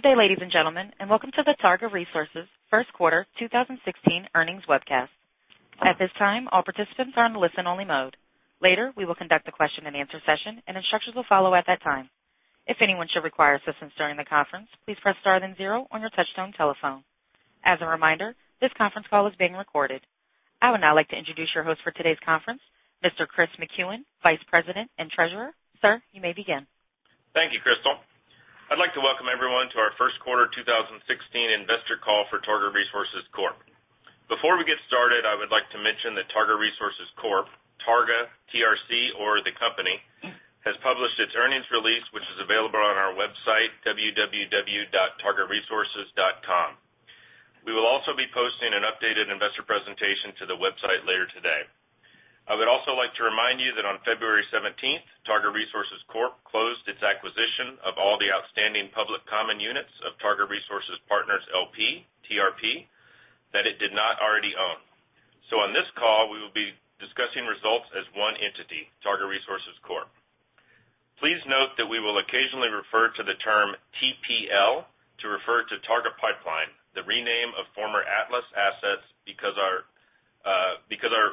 Good day, ladies and gentlemen, welcome to the Targa Resources first quarter 2016 earnings webcast. At this time, all participants are in listen only mode. Later, we will conduct a question and answer session and instructions will follow at that time. If anyone should require assistance during the conference, please press star then zero on your touchtone telephone. As a reminder, this conference call is being recorded. I would now like to introduce your host for today's conference, Mr. Chris McEwan, Vice President and Treasurer. Sir, you may begin. Thank you, Crystal. I'd like to welcome everyone to our first quarter 2016 investor call for Targa Resources Corp. Before we get started, I would like to mention that Targa Resources Corp, Targa, TRC, or the company, has published its earnings release, which is available on our website, www.targaresources.com. We will also be posting an updated investor presentation to the website later today. I would also like to remind you that on February 17th, Targa Resources Corp closed its acquisition of all the outstanding public common units of Targa Resources Partners LP, TRP, that it did not already own. On this call, we will be discussing results as one entity, Targa Resources Corp. Please note that we will occasionally refer to the term TPL to refer to Targa Pipeline, the rename of former Atlas assets because our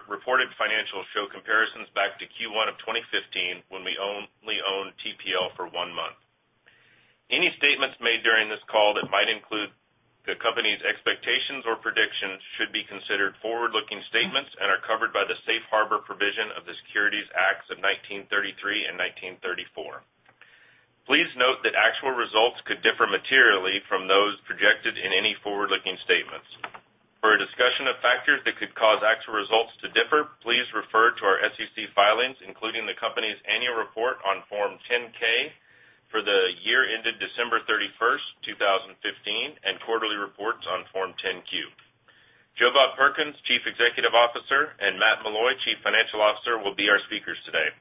reported financials show comparisons back to Q1 of 2015 when we only owned TPL for one month. Any statements made during this call that might include the company's expectations or predictions should be considered forward-looking statements and are covered by the safe harbor provision of the Securities Acts of 1933 and 1934. Please note that actual results could differ materially from those projected in any forward-looking statements. For a discussion of factors that could cause actual results to differ, please refer to our SEC filings, including the company's annual report on Form 10-K for the year ended December 31st, 2015, and quarterly reports on Form 10-Q. Joe Bob Perkins, Chief Executive Officer, and Matt Meloy, Chief Financial Officer, will be our speakers today.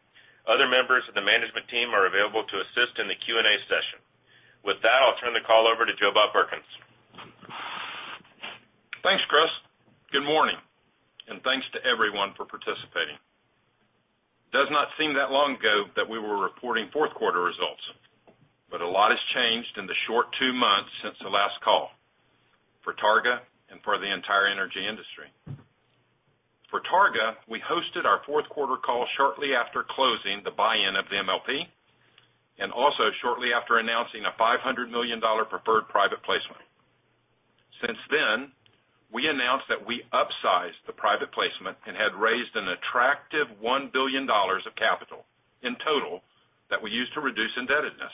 Other members of the management team are available to assist in the Q&A session. With that, I'll turn the call over to Joe Bob Perkins. Thanks, Chris. Good morning, and thanks to everyone for participating. Does not seem that long ago that we were reporting fourth quarter results. A lot has changed in the short two months since the last call for Targa and for the entire energy industry. For Targa, we hosted our fourth quarter call shortly after closing the buy-in of the MLP and also shortly after announcing a $500 million preferred private placement. Since then, we announced that we upsized the private placement and had raised an attractive $1 billion of capital in total that we used to reduce indebtedness.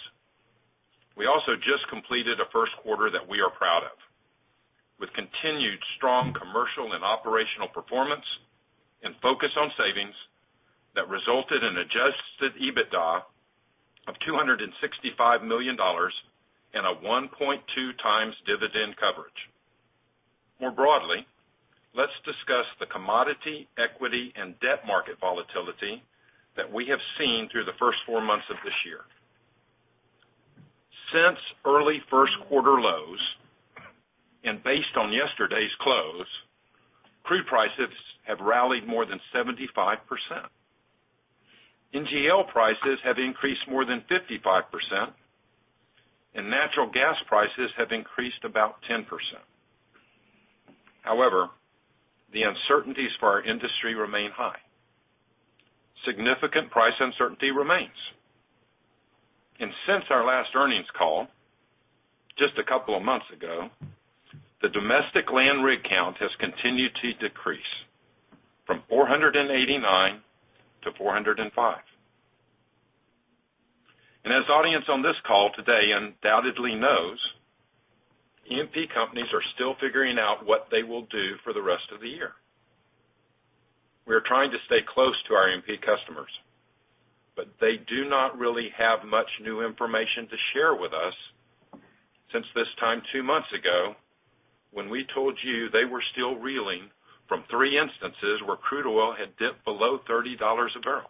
We also just completed a first quarter that we are proud of. With continued strong commercial and operational performance and focus on savings that resulted in adjusted EBITDA of $265 million and a 1.2 times dividend coverage. More broadly, let's discuss the commodity, equity, and debt market volatility that we have seen through the first four months of this year. Since early first quarter lows, and based on yesterday's close, crude prices have rallied more than 75%. NGL prices have increased more than 55%, and natural gas prices have increased about 10%. However, the uncertainties for our industry remain high. Significant price uncertainty remains. Since our last earnings call just a couple of months ago, the domestic land rig count has continued to decrease from 489 to 405. As the audience on this call today undoubtedly knows, E&P companies are still figuring out what they will do for the rest of the year. We are trying to stay close to our E&P customers. They do not really have much new information to share with us since this time two months ago, when we told you they were still reeling from three instances where crude oil had dipped below $30 a barrel.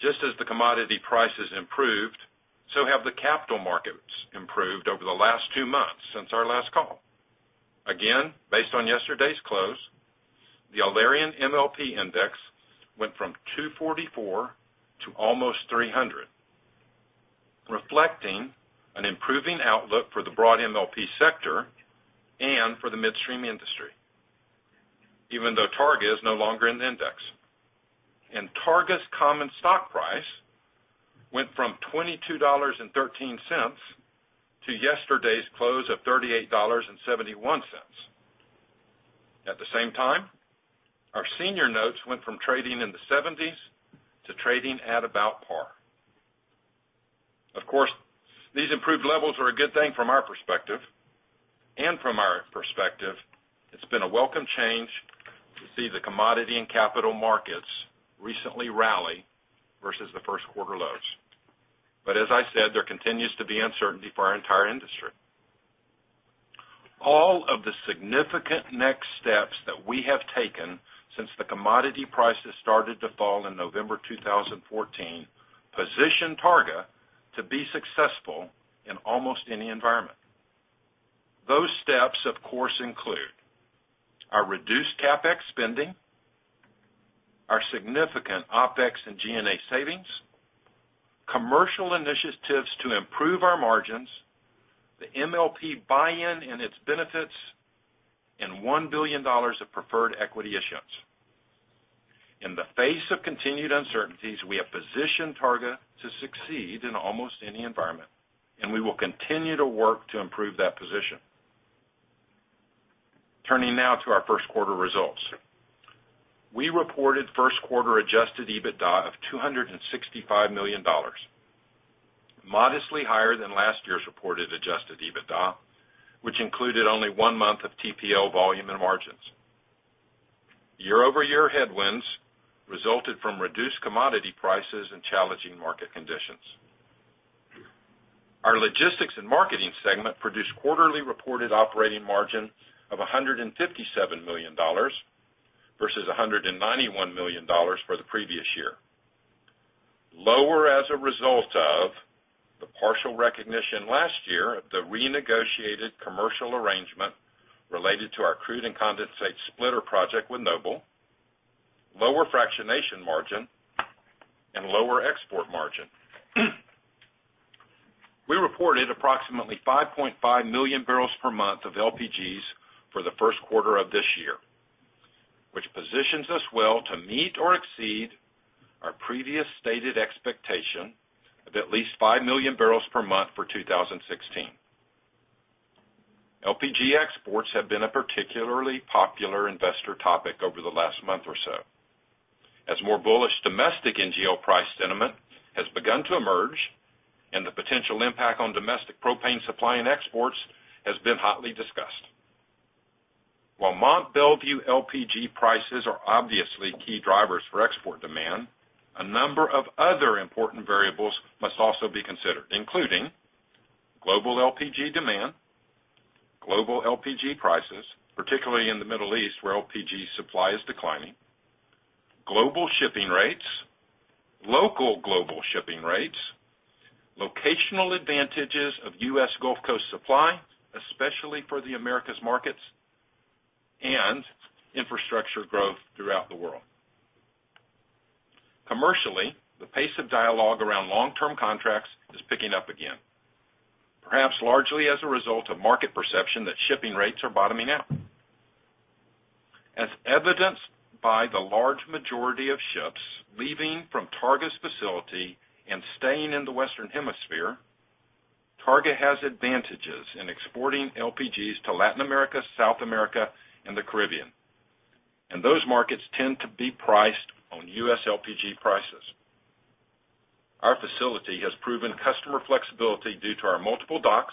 Just as the commodity prices improved, so have the capital markets improved over the last two months since our last call. Again, based on yesterday's close, the Alerian MLP Index went from 244 to almost 300, reflecting an improving outlook for the broad MLP sector and for the midstream industry, even though Targa is no longer in the index. Targa's common stock price went from $22.13 to yesterday's close of $38.71. At the same time, our senior notes went from trading in the 70s to trading at about par. Of course, these improved levels are a good thing from our perspective. From our perspective, it's been a welcome change to see the commodity and capital markets recently rally versus the first quarter lows. As I said, there continues to be uncertainty for our entire industry. All of the significant next steps that we have taken since the commodity prices started to fall in November 2014 position Targa to be successful in almost any environment. Steps, of course, include our reduced CapEx spending, our significant OpEx and G&A savings, commercial initiatives to improve our margins, the MLP buy-in and its benefits, and $1 billion of preferred equity issuance. In the face of continued uncertainties, we have positioned Targa to succeed in almost any environment, and we will continue to work to improve that position. Turning now to our first quarter results. We reported first quarter adjusted EBITDA of $265 million, modestly higher than last year's reported adjusted EBITDA, which included only one month of TPL volume and margins. Year-over-year headwinds resulted from reduced commodity prices and challenging market conditions. Our Logistics and Marketing segment produced quarterly reported operating margin of $157 million versus $191 million for the previous year. Lower as a result of the partial recognition last year of the renegotiated commercial arrangement related to our crude and condensate splitter project with Noble, lower fractionation margin, and lower export margin. We reported approximately 5.5 million barrels per month of LPGs for the first quarter of this year, which positions us well to meet or exceed our previous stated expectation of at least five million barrels per month for 2016. LPG exports have been a particularly popular investor topic over the last month or so, as more bullish domestic NGL price sentiment has begun to emerge and the potential impact on domestic propane supply and exports has been hotly discussed. While Mont Belvieu LPG prices are obviously key drivers for export demand, a number of other important variables must also be considered, including global LPG demand, global LPG prices, particularly in the Middle East, where LPG supply is declining, global shipping rates, local global shipping rates, locational advantages of U.S. Gulf Coast supply, especially for the Americas markets, and infrastructure growth throughout the world. Commercially, the pace of dialogue around long-term contracts is picking up again. Perhaps largely as a result of market perception that shipping rates are bottoming out. As evidenced by the large majority of ships leaving from Targa's facility and staying in the Western Hemisphere, Targa has advantages in exporting LPGs to Latin America, South America, and the Caribbean, and those markets tend to be priced on U.S. LPG prices. Our facility has proven customer flexibility due to our multiple docks,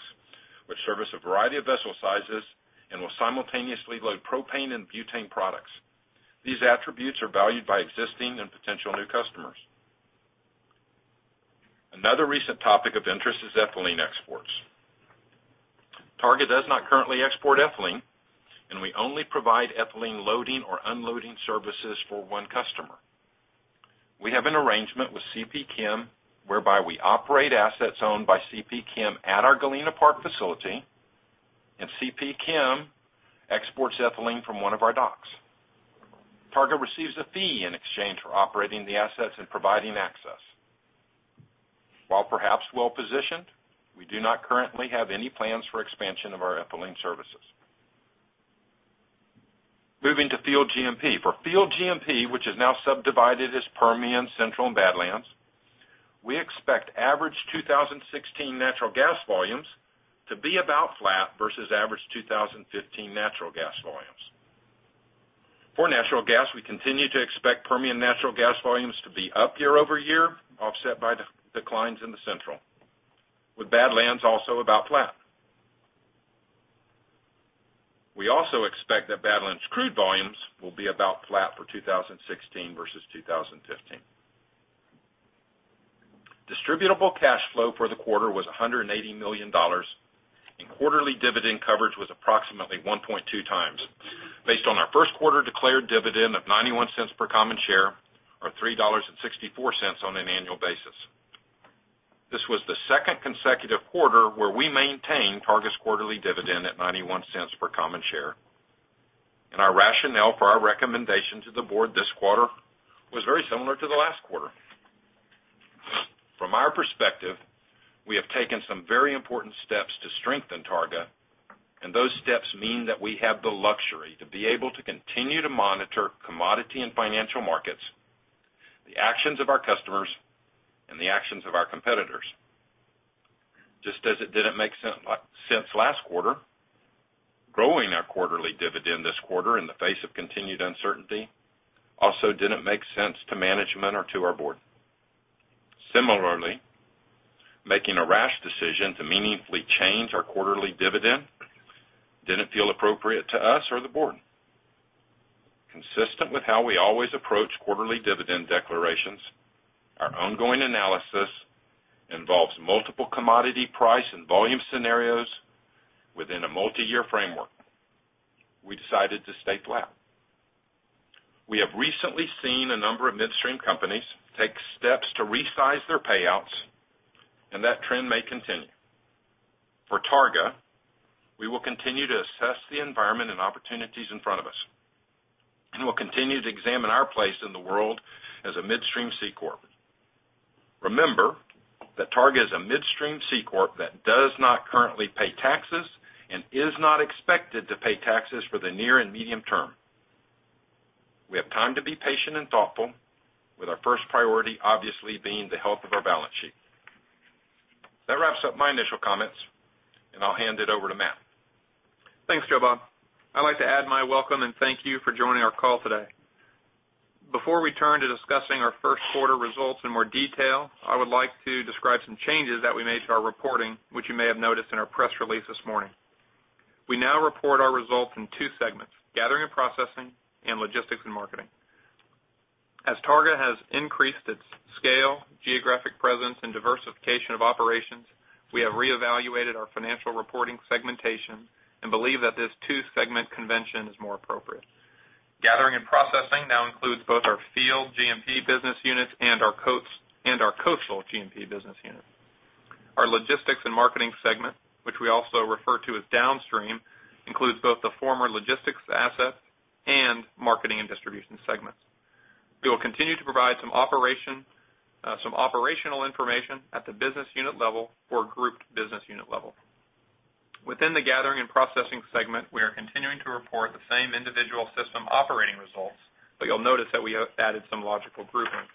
which service a variety of vessel sizes and will simultaneously load propane and butane products. These attributes are valued by existing and potential new customers. Another recent topic of interest is ethylene exports. Targa does not currently export ethylene, and we only provide ethylene loading or unloading services for one customer. We have an arrangement with CP Chem whereby we operate assets owned by CP Chem at our Galena Park facility, and CP Chem exports ethylene from one of our docks. Targa receives a fee in exchange for operating the assets and providing access. While perhaps well-positioned, we do not currently have any plans for expansion of our ethylene services. Moving to Field G&P. For Field G&P, which is now subdivided as Permian, Central, and Badlands, we expect average 2016 natural gas volumes to be about flat versus average 2015 natural gas volumes. For natural gas, we continue to expect Permian natural gas volumes to be up year-over-year, offset by declines in the Central. With Badlands also about flat. We also expect that Badlands crude volumes will be about flat for 2016 versus 2015. Distributable cash flow for the quarter was $180 million, and quarterly dividend coverage was approximately 1.2 times based on our first quarter declared dividend of $0.91 per common share, or $3.64 on an annual basis. This was the second consecutive quarter where we maintained Targa's quarterly dividend at $0.91 per common share. Our rationale for our recommendation to the board this quarter was very similar to the last quarter. From our perspective, we have taken some very important steps to strengthen Targa. Those steps mean that we have the luxury to be able to continue to monitor commodity and financial markets, the actions of our customers, and the actions of our competitors. Just as it didn't make sense last quarter, growing our quarterly dividend this quarter in the face of continued uncertainty also didn't make sense to management or to our board. Similarly, making a rash decision to meaningfully change our quarterly dividend didn't feel appropriate to us or the board. Consistent with how we always approach quarterly dividend declarations, our ongoing analysis involves multiple commodity price and volume scenarios within a multiyear framework. We decided to stay flat. We have recently seen a number of midstream companies take steps to resize their payouts. That trend may continue. For Targa, we will continue to assess the environment and opportunities in front of us. We'll continue to examine our place in the world as a midstream C corp. Remember that Targa is a midstream C corp that does not currently pay taxes and is not expected to pay taxes for the near and medium term. We have time to be patient and thoughtful with our first priority, obviously being the health of our balance sheet. That wraps up my initial comments. I'll hand it over to Matt. Thanks, Joe Bob. I'd like to add my welcome and thank you for joining our call today. Before we turn to discussing our first quarter results in more detail, I would like to describe some changes that we made to our reporting, which you may have noticed in our press release this morning. We now report our results in two segments, gathering and processing, and logistics and marketing. As Targa has increased its scale, geographic presence, and diversification of operations, we have reevaluated our financial reporting segmentation and believe that this two-segment convention is more appropriate. Gathering and processing now includes both our Field G&P business units and our Coastal G&P business unit. Our logistics and marketing segment, which we also refer to as downstream, includes both the former logistics assets and marketing and distribution segments. We will continue to provide some operational information at the business unit level or grouped business unit level. Within the gathering and processing segment, we are continuing to report the same individual system operating results, but you'll notice that we have added some logical groupings.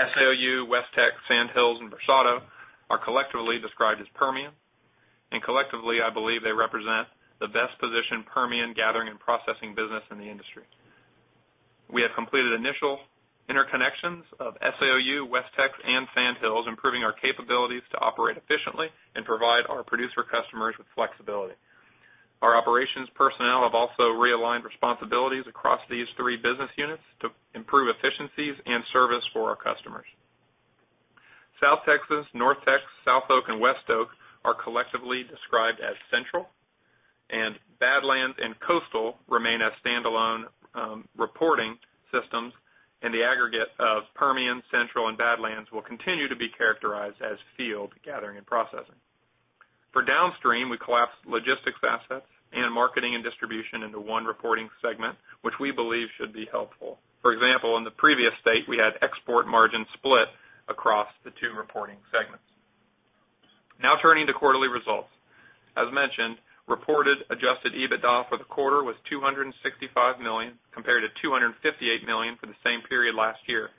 SAOU, WestTX, Sand Hills, and Versado are collectively described as Permian. Collectively, I believe they represent the best position Permian gathering and processing business in the industry. We have completed initial interconnections of SAOU, WestTX, and Sand Hills, improving our capabilities to operate efficiently and provide our producer customers with flexibility. Our operations personnel have also realigned responsibilities across these three business units to improve efficiencies and service for our customers. South Texas, NorthTex, South Oak, and West Oak are collectively described as Central. Badlands and Coastal remain as standalone reporting systems. The aggregate of Permian, Central, and Badlands will continue to be characterized as Field Gathering and Processing. For downstream, we collapsed logistics assets and marketing and distribution into one reporting segment, which we believe should be helpful. For example, in the previous state, we had export margin split across the two reporting segments. Turning to quarterly results. As mentioned, reported adjusted EBITDA for the quarter was $265 million, compared to $258 million for the same period last year.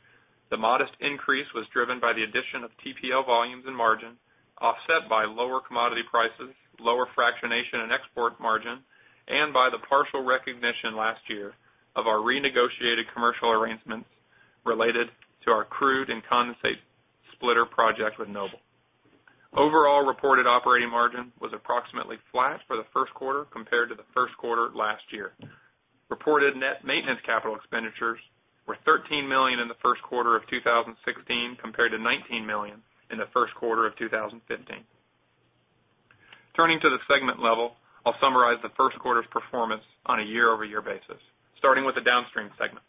The modest increase was driven by the addition of TPL volumes and margin, offset by lower commodity prices, lower fractionation and export margin, and by the partial recognition last year of our renegotiated commercial arrangements related to our crude and condensate splitter project with Noble. Overall reported operating margin was approximately flat for the first quarter compared to the first quarter last year. Reported net maintenance capital expenditures were $13 million in the first quarter of 2016, compared to $19 million in the first quarter of 2015. Turning to the segment level, I'll summarize the first quarter's performance on a year-over-year basis, starting with the downstream segment.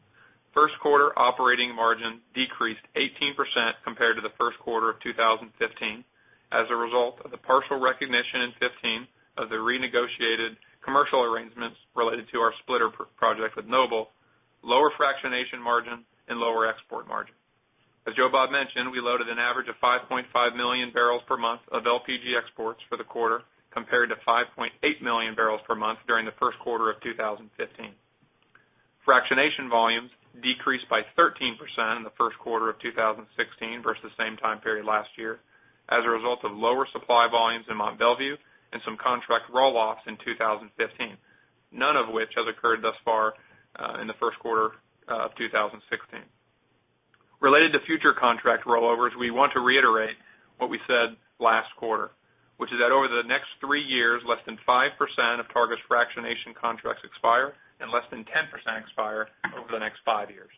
First quarter operating margin decreased 18% compared to the first quarter of 2015 as a result of the partial recognition in 2015 of the renegotiated commercial arrangements related to our splitter project with Noble, lower fractionation margin, and lower export margin. As Joe Bob mentioned, we loaded an average of 5.5 million barrels per month of LPG exports for the quarter, compared to 5.8 million barrels per month during the first quarter of 2015. Fractionation volumes decreased by 13% in the first quarter of 2016 versus the same time period last year, as a result of lower supply volumes in Mont Belvieu and some contract roll-offs in 2015, none of which has occurred thus far in the first quarter of 2016. Related to future contract rollovers, we want to reiterate what we said last quarter, which is that over the next three years, less than 5% of Targa's fractionation contracts expire and less than 10% expire over the next five years.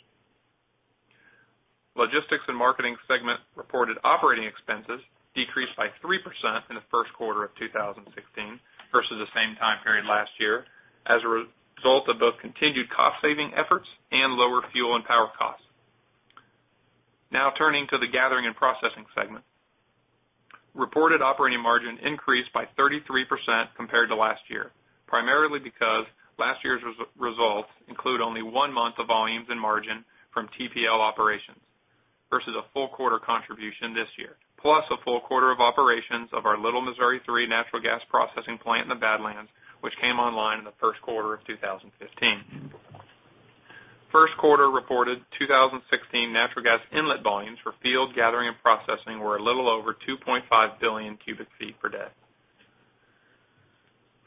Logistics and marketing segment reported operating expenses decreased by 3% in the first quarter of 2016 versus the same time period last year, as a result of both continued cost-saving efforts and lower fuel and power costs. Turning to the gathering and processing segment. Reported operating margin increased by 33% compared to last year, primarily because last year's results include only one month of volumes and margin from TPL operations versus a full quarter contribution this year, plus a full quarter of operations of our Little Missouri 3 natural gas processing plant in the Badlands, which came online in the first quarter of 2015. First quarter reported 2016 natural gas inlet volumes for Field Gathering and Processing were a little over 2.5 billion cubic feet per day.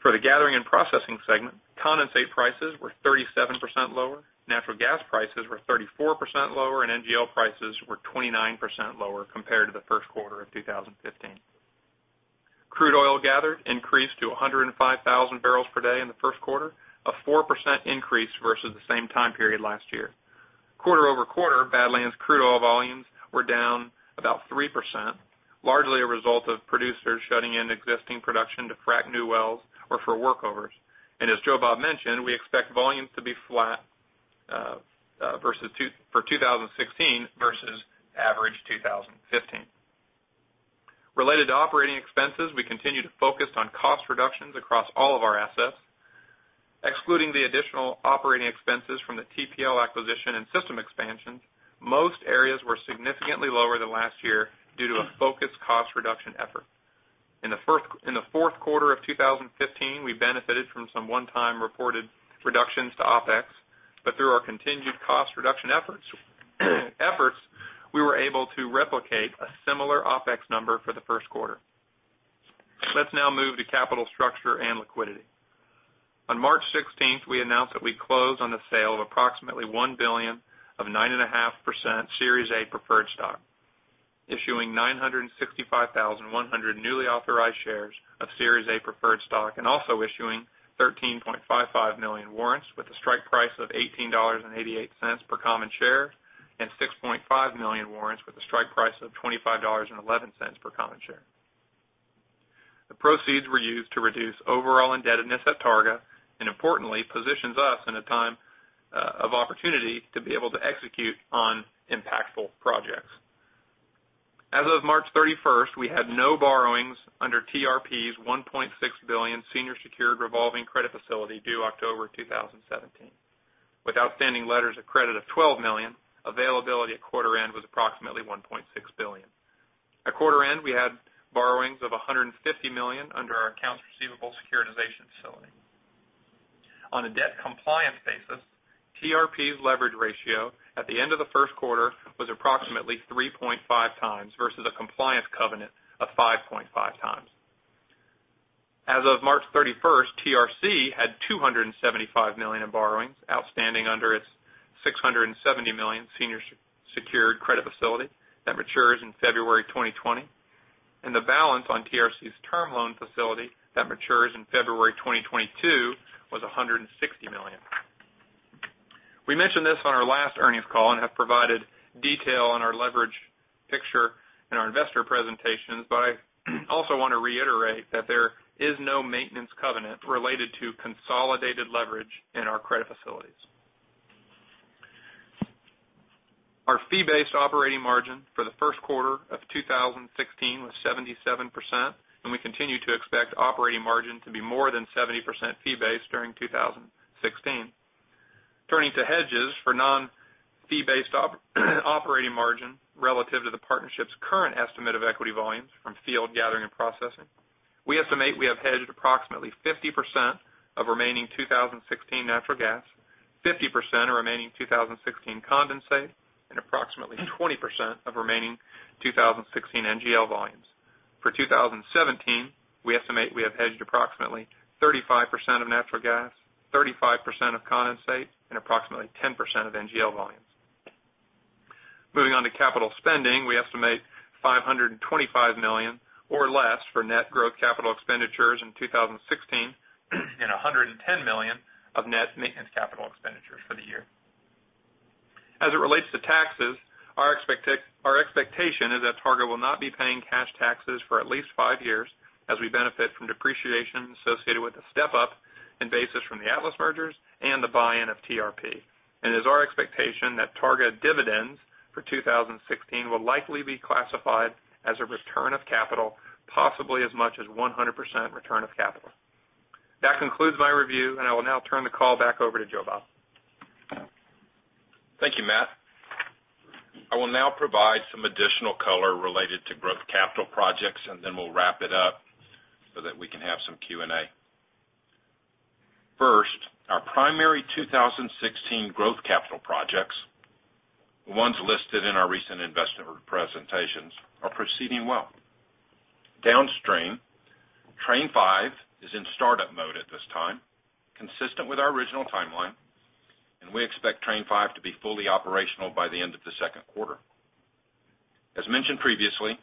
The gathering and processing segment, condensate prices were 37% lower, natural gas prices were 34% lower, and NGL prices were 29% lower compared to the first quarter of 2015. Crude oil gathered increased to 105,000 barrels per day in the first quarter, a 4% increase versus the same time period last year. quarter-over-quarter, Badlands crude oil volumes were down about 3%, largely a result of producers shutting in existing production to frack new wells or for workovers. As Joe Bob mentioned, we expect volumes to be flat for 2016 versus average 2015. Related to operating expenses, we continue to focus on cost reductions across all of our assets. Excluding the additional operating expenses from the TPL acquisition and system expansions, most areas were significantly lower than last year due to a focused cost reduction effort. In the fourth quarter of 2015, we benefited from some one-time reported reductions to OpEx, but through our continued cost reduction efforts, we were able to replicate a similar OpEx number for the first quarter. Let's now move to capital structure and liquidity. On March 16th, we announced that we closed on the sale of approximately $1 billion of 9.5% Series A preferred stock, issuing 965,100 newly authorized shares of Series A preferred stock, and also issuing 13.55 million warrants with a strike price of $18.88 per common share and 6.5 million warrants with a strike price of $25.11 per common share. The proceeds were used to reduce overall indebtedness at Targa, and importantly, positions us in a time of opportunity to be able to execute on impactful projects. As of March 31st, we had no borrowings under TRP's $1.6 billion senior secured revolving credit facility due October 2017. With outstanding letters of credit of $12 million, availability at quarter end was approximately $1.6 billion. At quarter end, we had borrowings of $150 million under our accounts receivable securitization facility. On a debt compliance basis, TRP's leverage ratio at the end of the first quarter was approximately 3.5 times versus a compliance covenant of 5.5 times. As of March 31st, TRC had $275 million in borrowings outstanding under its $670 million senior secured credit facility that matures in February 2020, and the balance on TRC's term loan facility that matures in February 2022 was $160 million. We mentioned this on our last earnings call and have provided detail on our leverage picture in our investor presentations, but I also want to reiterate that there is no maintenance covenant related to consolidated leverage in our credit facilities. Our fee-based operating margin for the first quarter of 2016 was 77%, and we continue to expect operating margin to be more than 70% fee-based during 2016. Turning to hedges for non-fee-based operating margin relative to the partnership's current estimate of equity volumes from field gathering and processing, we estimate we have hedged approximately 50% of remaining 2016 natural gas, 50% of remaining 2016 condensate, and approximately 20% of remaining 2016 NGL volumes. For 2017, we estimate we have hedged approximately 35% of natural gas, 35% of condensate, and approximately 10% of NGL volumes. Moving on to capital spending, we estimate $525 million or less for net growth capital expenditures in 2016 and $110 million of net maintenance capital expenditures for the year. As it relates to taxes, our expectation is that Targa will not be paying cash taxes for at least five years as we benefit from depreciation associated with the step-up in basis from the Atlas mergers and the buy-in of TRP. It is our expectation that Targa dividends for 2016 will likely be classified as a return of capital, possibly as much as 100% return of capital. That concludes my review, and I will now turn the call back over to Joe Bob. Thank you, Matt. I will now provide some additional color related to growth capital projects, and then we'll wrap it up so that we can have some Q&A. First, our primary 2016 growth capital projects, the ones listed in our recent investor presentations, are proceeding well. Downstream, Train 5 is in startup mode at this time, consistent with our original timeline, and we expect Train 5 to be fully operational by the end of the second quarter. As mentioned previously,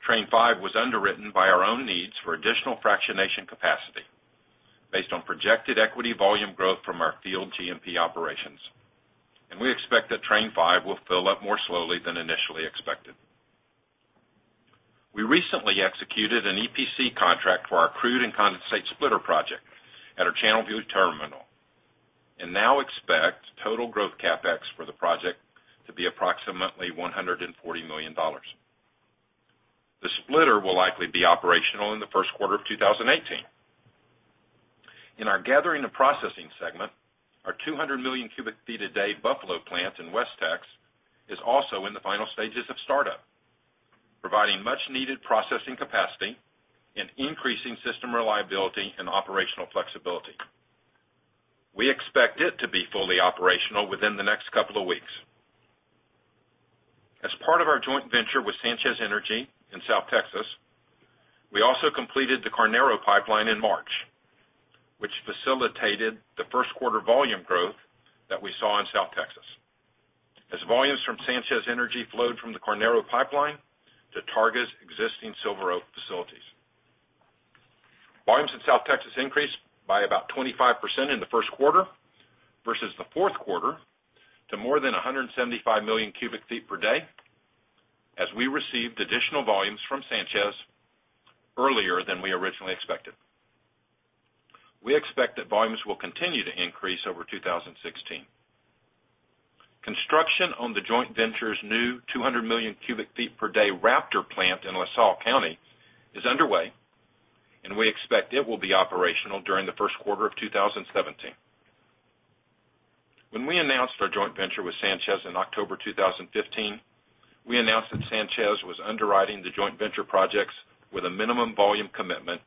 Train 5 was underwritten by our own needs for additional fractionation capacity based on projected equity volume growth from our Field G&P operations, and we expect that Train 5 will fill up more slowly than initially expected. We recently executed an EPC contract for our crude and condensate splitter project at our Channelview terminal and now expect total growth CapEx for the project to be approximately $140 million. The splitter will likely be operational in the first quarter of 2018. In our gathering and processing segment, our 200 million cubic feet a day Buffalo Plant in WestTX is also in the final stages of startup, providing much needed processing capacity and increasing system reliability and operational flexibility. We expect it to be fully operational within the next couple of weeks. As part of our joint venture with Sanchez Energy in South Texas, we also completed the Carnero Pipeline in March, which facilitated the first quarter volume growth that we saw in South Texas as volumes from Sanchez Energy flowed from the Carnero Pipeline to Targa's existing Silver Oak facilities. In South Texas increased by about 25% in the first quarter versus the fourth quarter to more than 175 million cubic feet per day as we received additional volumes from Sanchez earlier than we originally expected. We expect that volumes will continue to increase over 2016. Construction on the joint venture's new 200 million cubic feet per day Raptor Plant in La Salle County is underway, and we expect it will be operational during the first quarter of 2017. When we announced our joint venture with Sanchez in October 2015, we announced that Sanchez was underwriting the joint venture projects with a minimum volume commitment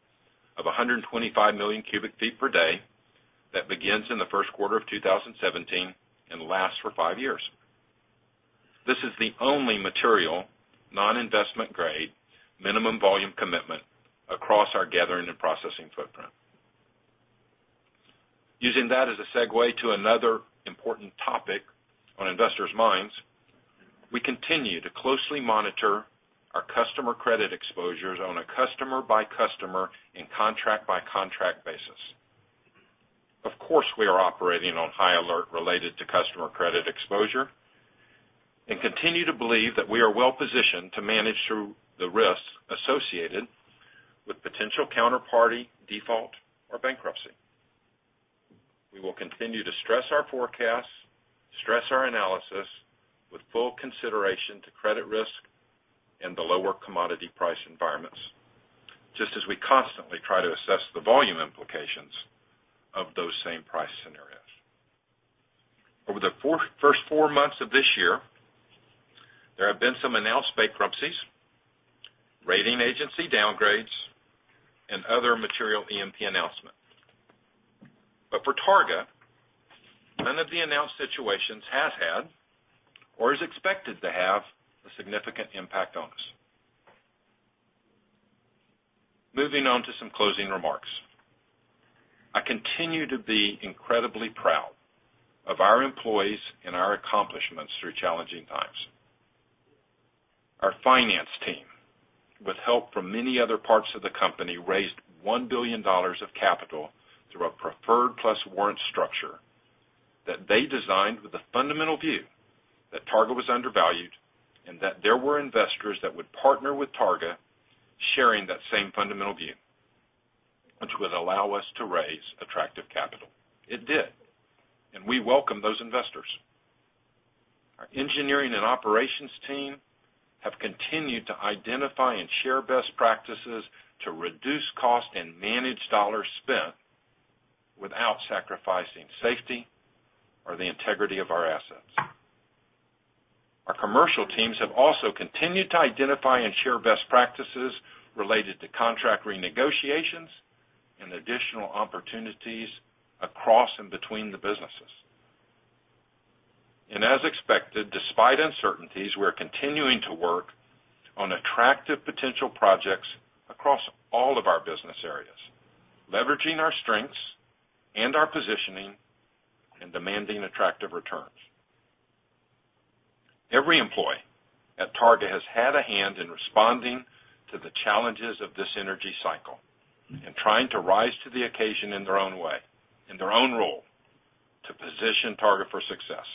of 125 million cubic feet per day that begins in the first quarter of 2017 and lasts for five years. This is the only material, non-investment grade, minimum volume commitment across our gathering and processing footprint. Using that as a segue to another important topic on investors' minds, we continue to closely monitor our customer credit exposures on a customer-by-customer and contract-by-contract basis. Of course, we are operating on high alert related to customer credit exposure and continue to believe that we are well-positioned to manage through the risks associated with potential counterparty default or bankruptcy. We will continue to stress our forecasts, stress our analysis with full consideration to credit risk and the lower commodity price environments, just as we constantly try to assess the volume implications of those same price scenarios. Over the first four months of this year, there have been some announced bankruptcies, rating agency downgrades, and other material E&P announcements. For Targa, none of the announced situations has had or is expected to have a significant impact on us. Moving on to some closing remarks. I continue to be incredibly proud of our employees and our accomplishments through challenging times. Our finance team, with help from many other parts of the company, raised $1 billion of capital through a preferred plus warrant structure that they designed with the fundamental view that Targa was undervalued and that there were investors that would partner with Targa, sharing that same fundamental view, which would allow us to raise attractive capital. It did, and we welcome those investors. Our engineering and operations team have continued to identify and share best practices to reduce cost and manage dollars spent without sacrificing safety or the integrity of our assets. Our commercial teams have also continued to identify and share best practices related to contract renegotiations and additional opportunities across and between the businesses. As expected, despite uncertainties, we're continuing to work on attractive potential projects across all of our business areas, leveraging our strengths and our positioning and demanding attractive returns. Every employee at Targa has had a hand in responding to the challenges of this energy cycle and trying to rise to the occasion in their own way, in their own role to position Targa for success.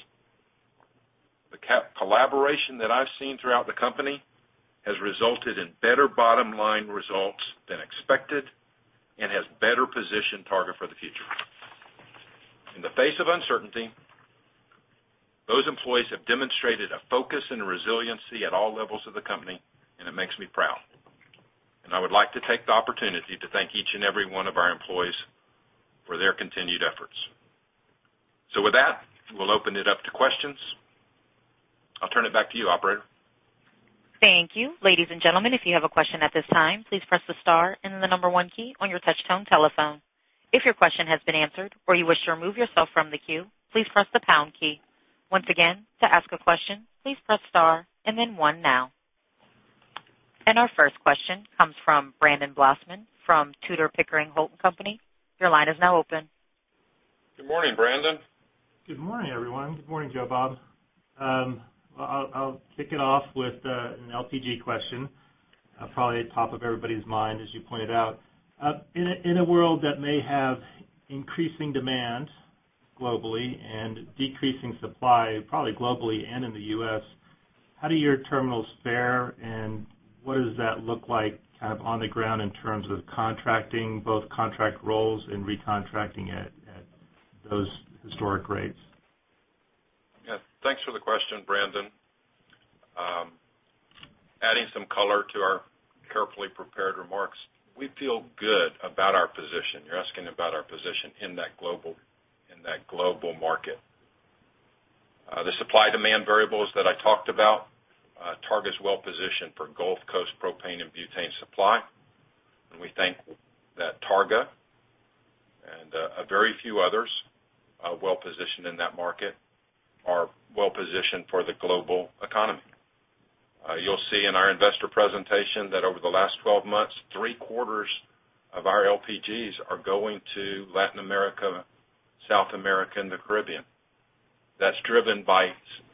The collaboration that I've seen throughout the company has resulted in better bottom-line results than expected and has better positioned Targa for the future. In the face of uncertainty, those employees have demonstrated a focus and resiliency at all levels of the company, it makes me proud. I would like to take the opportunity to thank each and every one of our employees for their continued efforts. With that, we'll open it up to questions. I'll turn it back to you, operator. Thank you. Ladies and gentlemen, if you have a question at this time, please press the star and the number 1 key on your touch tone telephone. If your question has been answered or you wish to remove yourself from the queue, please press the pound key. Once again, to ask a question, please press star and then one now. Our first question comes from Brandon Blossman from Tudor, Pickering, Holt & Co. Your line is now open. Good morning, Brandon. Good morning, everyone. Good morning, Joe Bob. I'll kick it off with an LPG question, probably top of everybody's mind, as you pointed out. In a world that may have increasing demand globally and decreasing supply, probably globally and in the U.S., how do your terminals fare, and what does that look like on the ground in terms of contracting, both contract rolls and recontracting at those historic rates? Yeah. Thanks for the question, Brandon. Adding some color to our carefully prepared remarks, we feel good about our position. You're asking about our position in that global market. The supply-demand variables that I talked about, Targa's well-positioned for Gulf Coast propane and butane supply. We think that Targa and a very few others are well-positioned in that market, are well-positioned for the global economy. You'll see in our investor presentation that over the last 12 months, three-quarters of our LPGs are going to Latin America, South America, and the Caribbean. That's driven by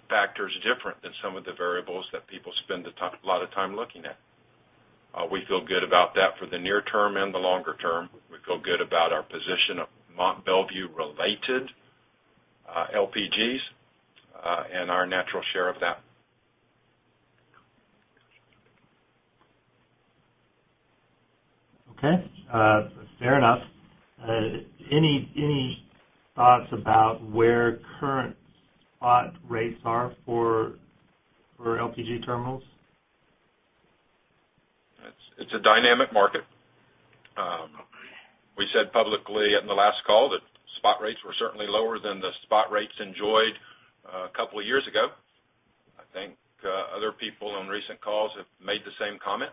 factors different than some of the variables that people spend a lot of time looking at. We feel good about that for the near term and the longer term. We feel good about our position of Mont Belvieu-related LPGs, and our natural share of that. Okay. Fair enough. Any thoughts about where current spot rates are for LPG terminals? It's a dynamic market. Okay. We said publicly in the last call that spot rates were certainly lower than the spot rates enjoyed a couple of years ago. I think other people on recent calls have made the same comment,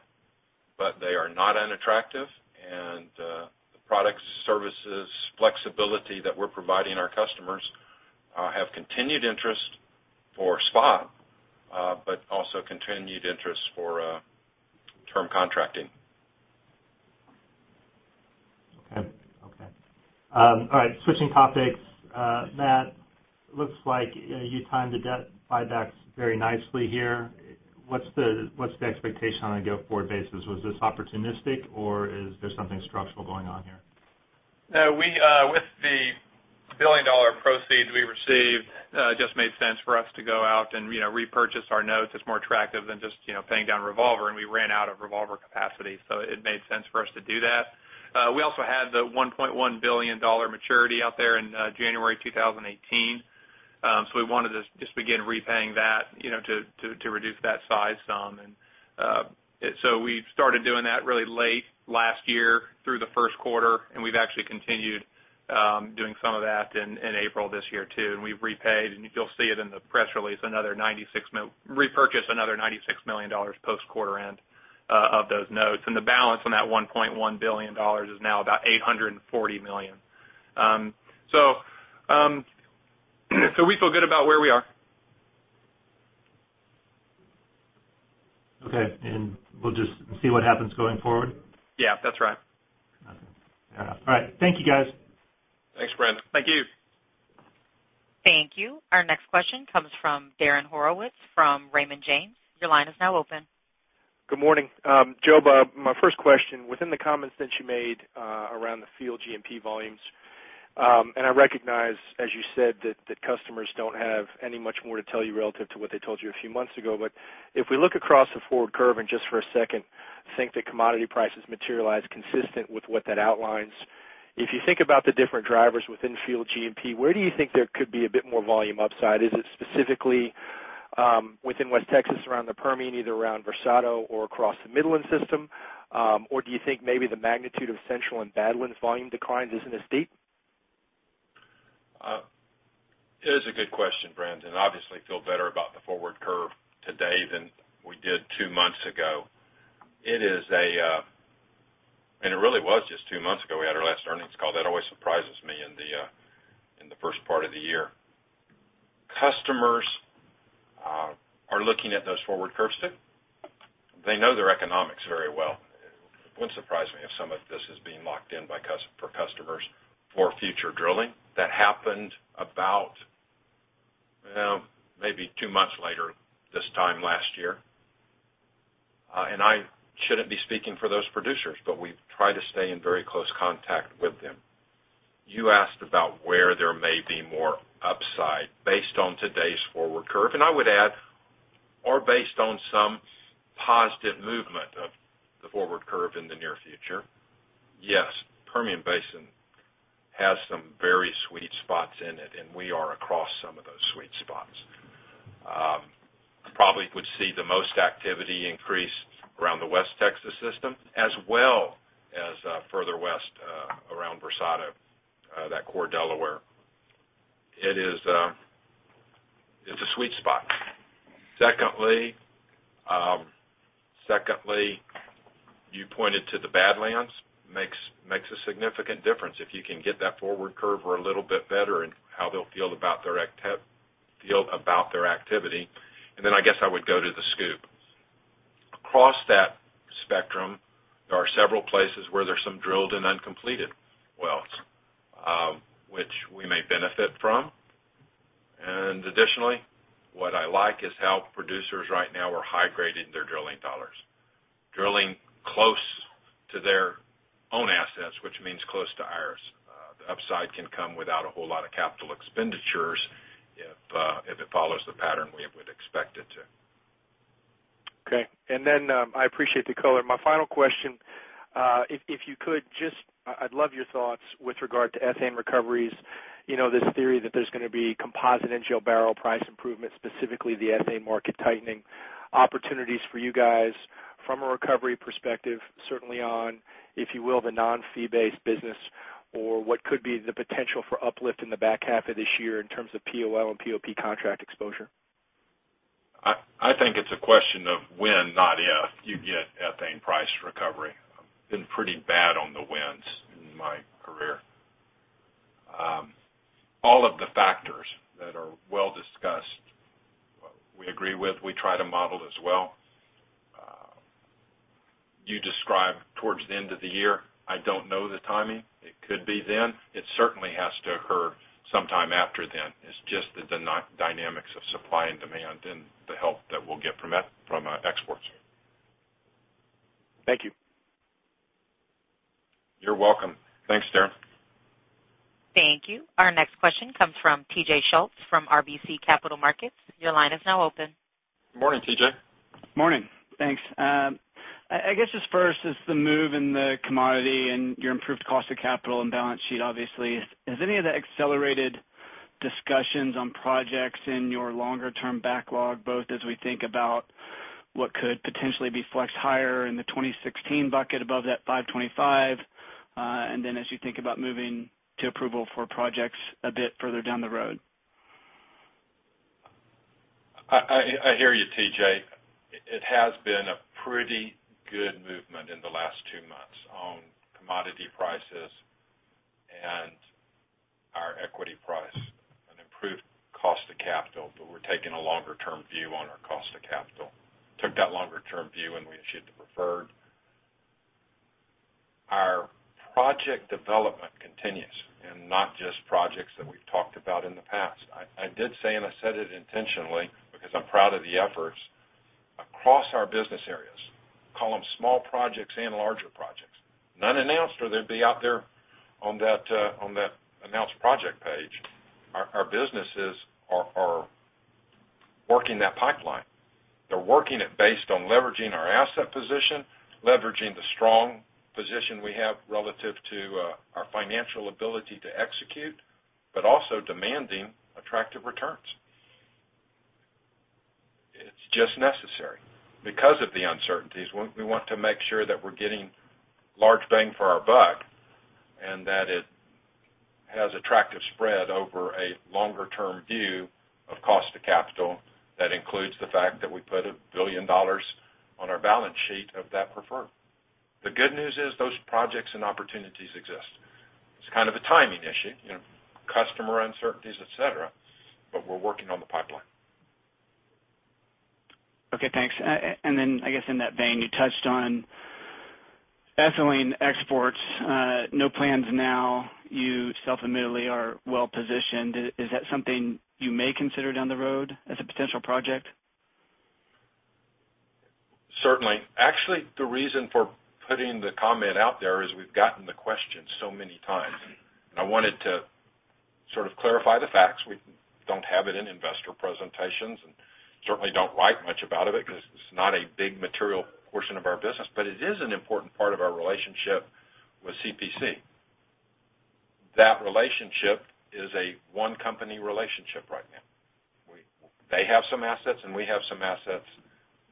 but they are not unattractive. The products, services, flexibility that we're providing our customers have continued interest for spot, but also continued interest for term contracting. Okay. All right. Switching topics. Matt, looks like you timed the debt buybacks very nicely here. What's the expectation on a go-forward basis? Was this opportunistic, or is there something structural going on here? With the billion-dollar proceeds we received, just made sense for us to go out and repurchase our notes. It's more attractive than just paying down revolver. We ran out of revolver capacity, so it made sense for us to do that. We also had the $1.1 billion maturity out there in January 2018. We wanted to just begin repaying that to reduce that size some. We started doing that really late last year through the first quarter, and we've actually continued doing some of that in April this year, too. We've repaid, and you'll see it in the press release, repurchased another $96 million post quarter end of those notes. The balance on that $1.1 billion is now about $840 million. We feel good about where we are. Okay. We'll just see what happens going forward? Yeah, that's right. Okay. Fair enough. All right. Thank you, guys. Thanks, Brandon. Thank you. Thank you. Our next question comes from Darren Horowitz from Raymond James. Your line is now open. Good morning. Joe, my first question, within the comments that you made around the Field G&P volumes, I recognize, as you said, that the customers don't have any much more to tell you relative to what they told you a few months ago. If we look across the forward curve and just for a second think that commodity prices materialize consistent with what that outlines, if you think about the different drivers within Field G&P, where do you think there could be a bit more volume upside? Is it specifically within WestTX, around the Permian, either around Versado or across the Midland system? Or do you think maybe the magnitude of Central and Badlands volume declines isn't as steep? It is a good question, Brandon. Obviously feel better about the forward curve today than we did 2 months ago. It really was just 2 months ago we had our last earnings call. That always surprises me in the first part of the year. Customers are looking at those forward curves, too. They know their economics very well. It wouldn't surprise me if some of this is being locked in for customers for future drilling. That happened about maybe 2 months later this time last year. I shouldn't be speaking for those producers, but we try to stay in very close contact with them. You asked about where there may be more upside based on today's forward curve, I would add, or based on some positive movement of the forward curve in the near future. Yes, Permian Basin has some very sweet spots in it, and we are across some of those sweet spots. Probably would see the most activity increase around the WestTX system as well as further west around Versado, that core Delaware. It's a sweet spot. Secondly, you pointed to the Badlands. Makes a significant difference if you can get that forward curve or a little bit better in how they'll feel about their activity. I guess I would go to the SCOOP. Across that spectrum, there are several places where there's some drilled and uncompleted wells, which we may benefit from. Additionally, what I like is how producers right now are high-grading their drilling dollars, drilling close to their own assets, which means close to ours. The upside can come without a whole lot of capital expenditures if it follows the pattern we would expect it to. Okay. I appreciate the color. My final question, if you could I'd love your thoughts with regard to ethane recoveries. This theory that there's going to be composite NGL barrel price improvements, specifically the ethane market tightening. Opportunities for you guys from a recovery perspective, certainly on, if you will, the non-fee-based business, or what could be the potential for uplift in the back half of this year in terms of POL and POP contract exposure? I think it's a question of when, not if, you get ethane price recovery. Been pretty bad on the whens in my career. All of the factors that are well discussed, we agree with. We try to model as well. You described towards the end of the year, I don't know the timing. It could be then. It certainly has to occur sometime after then. It's just that the dynamics of supply and demand and the help that we'll get from exports. Thank you. You're welcome. Thanks, Darren. Thank you. Our next question comes from T.J. Schultz from RBC Capital Markets. Your line is now open. Morning, T.J. Morning. Thanks. I guess just first is the move in the commodity and your improved cost of capital and balance sheet, obviously. Has any of that accelerated discussions on projects in your longer term backlog, both as we think about what could potentially be flexed higher in the 2016 bucket above that $525, and then as you think about moving to approval for projects a bit further down the road? I hear you, T.J. It has been a pretty good movement in the last 2 months on commodity prices and our equity price, an improved cost of capital, but we're taking a longer-term view on our cost of capital. Took that longer-term view when we issued the preferred. Our project development continues, not just projects that we've talked about in the past. I did say, I said it intentionally because I'm proud of the efforts. Across our business areas, call them small projects and larger projects, none announced or they'd be out there on that announced project page. Our businesses are working that pipeline. They're working it based on leveraging our asset position, leveraging the strong position we have relative to our financial ability to execute, also demanding attractive returns. It's just necessary. Because of the uncertainties, we want to make sure that we're getting large bang for our buck and that it has attractive spread over a longer-term view of cost of capital. That includes the fact that we put $1 billion on our balance sheet of that preferred. The good news is those projects and opportunities exist. It's kind of a timing issue, customer uncertainties, et cetera, we're working on the pipeline. Okay, thanks. I guess in that vein, you touched on ethylene exports. No plans now. You self-admittedly are well-positioned. Is that something you may consider down the road as a potential project? Certainly. Actually, the reason for putting the comment out there is we've gotten the question so many times. I wanted to sort of clarify the facts. We don't have it in investor presentations, certainly don't write much about it because it's not a big material portion of our business. It is an important part of our relationship with CPC. That relationship is a one-company relationship right now. They have some assets, we have some assets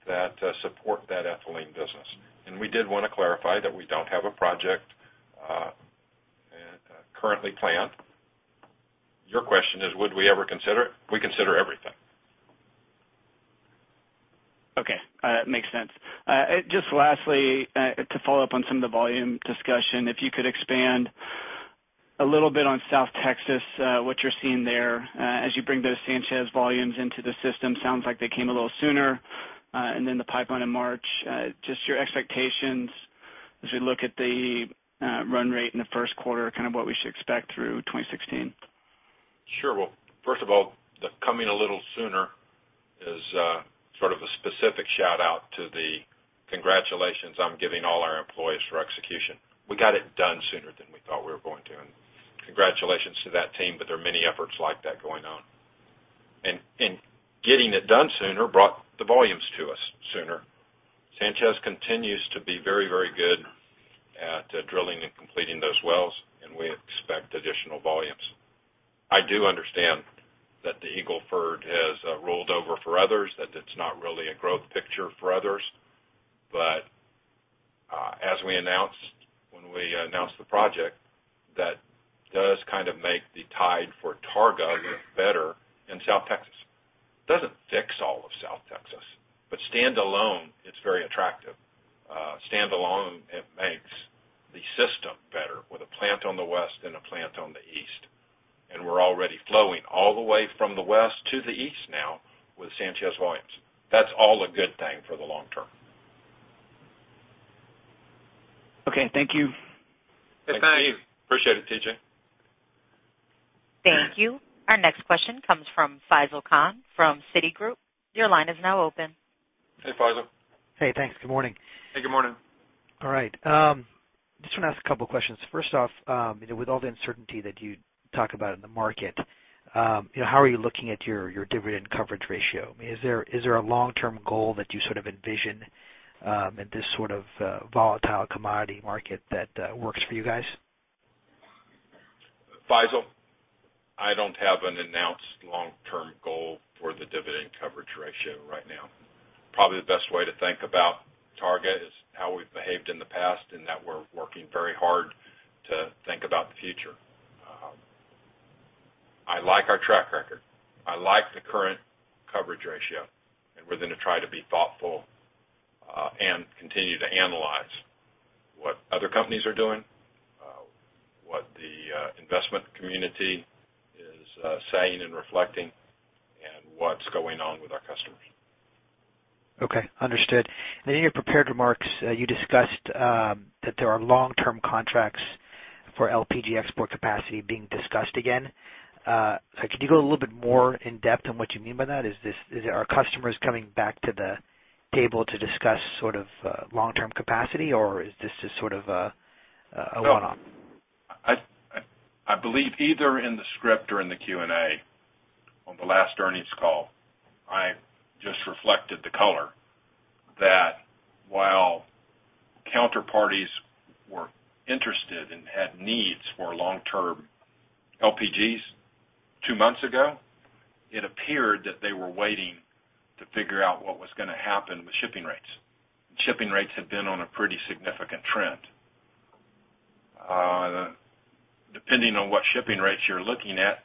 that support that ethylene business. We did want to clarify that we don't have a project currently planned. Your question is, would we ever consider it? We consider everything. Okay. Makes sense. Just lastly, to follow up on some of the volume discussion, if you could expand a little bit on South Texas, what you're seeing there as you bring those Sanchez volumes into the system. Sounds like they came a little sooner, the pipeline in March. Just your expectations as we look at the run rate in the first quarter, kind of what we should expect through 2016. First of all, the coming a little sooner is sort of a specific shout-out to the congratulations I'm giving all our employees for execution. We got it done sooner than we thought we were going to, congratulations to that team. There are many efforts like that going on. Getting it done sooner brought the volumes to us sooner. Sanchez continues to be very good at drilling and completing those wells, and we expect additional volumes. I do understand that the Eagle Ford has rolled over for others, that it's not really a growth picture for others. As we announced when we announced the project, that does kind of make the tide for Targa better in South Texas. Doesn't fix all of South Texas, but standalone, it's very attractive. Standalone, it makes the system better with a plant on the west and a plant on the east. We're already flowing all the way from the west to the east now with Sanchez volumes. That's all a good thing for the long term. Okay. Thank you. Yes, thanks. Appreciate it, T.J. Thank you. Our next question comes from Faisal Khan from Citigroup. Your line is now open. Hey, Faisal. Hey, thanks. Good morning. Hey, good morning. All right. I just want to ask a couple questions. First off, with all the uncertainty that you talk about in the market, how are you looking at your dividend coverage ratio? Is there a long-term goal that you sort of envision in this sort of volatile commodity market that works for you guys? Faisal, I don't have an announced long-term goal for the dividend coverage ratio right now. Probably the best way to think about Targa is how we've behaved in the past and that we're working very hard to think about the future. I like our track record. I like the current coverage ratio, and we're going to try to be thoughtful, and continue to analyze what other companies are doing, the investment community is saying and reflecting, and what's going on with our customers. Okay. Understood. In your prepared remarks, you discussed that there are long-term contracts for LPG export capacity being discussed again. Could you go a little bit more in depth on what you mean by that? Are customers coming back to the table to discuss long-term capacity, or is this just sort of a one-off? I believe either in the script or in the Q&A on the last earnings call, I just reflected the color that while counterparties were interested and had needs for long-term LPGs two months ago, it appeared that they were waiting to figure out what was going to happen with shipping rates. Shipping rates have been on a pretty significant trend. Depending on what shipping rates you're looking at,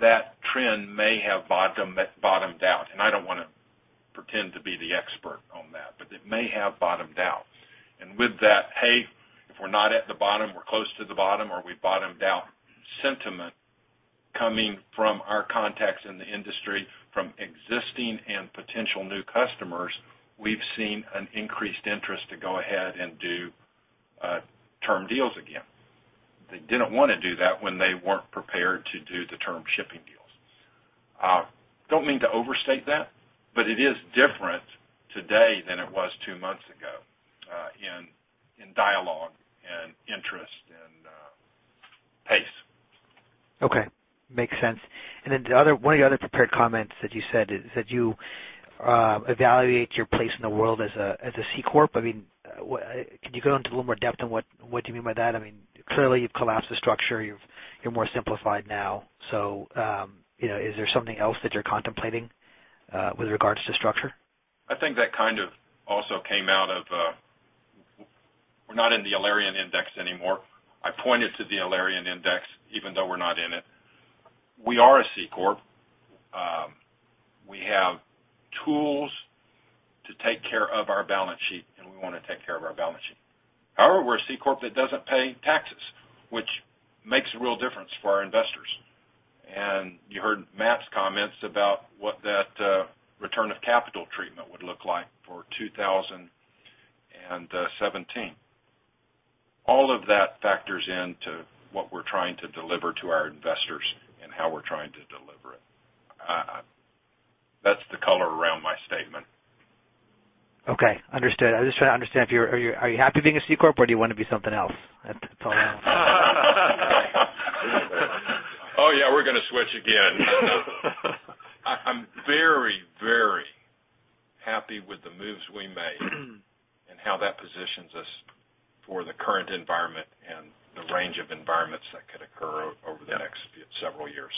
that trend may have bottomed out, and I don't want to pretend to be the expert on that, but it may have bottomed out. With that, "Hey, if we're not at the bottom, we're close to the bottom or we bottomed out sentiment coming from our contacts in the industry from existing and potential new customers," we've seen an increased interest to go ahead and do term deals again. They didn't want to do that when they weren't prepared to do the term shipping deals. Don't mean to overstate that, but it is different today than it was two months ago in dialogue and interest and pace. Okay. Makes sense. One of your other prepared comments that you said is that you evaluate your place in the world as a C corp. Can you go into a little more depth on what do you mean by that? Clearly you've collapsed the structure. You're more simplified now. Is there something else that you're contemplating with regards to structure? I think that kind of also came out of-- We're not in the Alerian Index anymore. I pointed to the Alerian Index even though we're not in it. We are a C corp. We have tools to take care of our balance sheet, and we want to take care of our balance sheet. However, we're a C corp that doesn't pay taxes, which makes a real difference for our investors. You heard Matt's comments about what that return of capital treatment would look like for 2017. All of that factors into what we're trying to deliver to our investors and how we're trying to deliver it. That's the color around my statement. Okay. Understood. I was just trying to understand, are you happy being a C corp, or do you want to be something else? That's all. Oh, yeah. We're going to switch again. I'm very happy with the moves we made and how that positions us for the current environment and the range of environments that could occur over the next several years.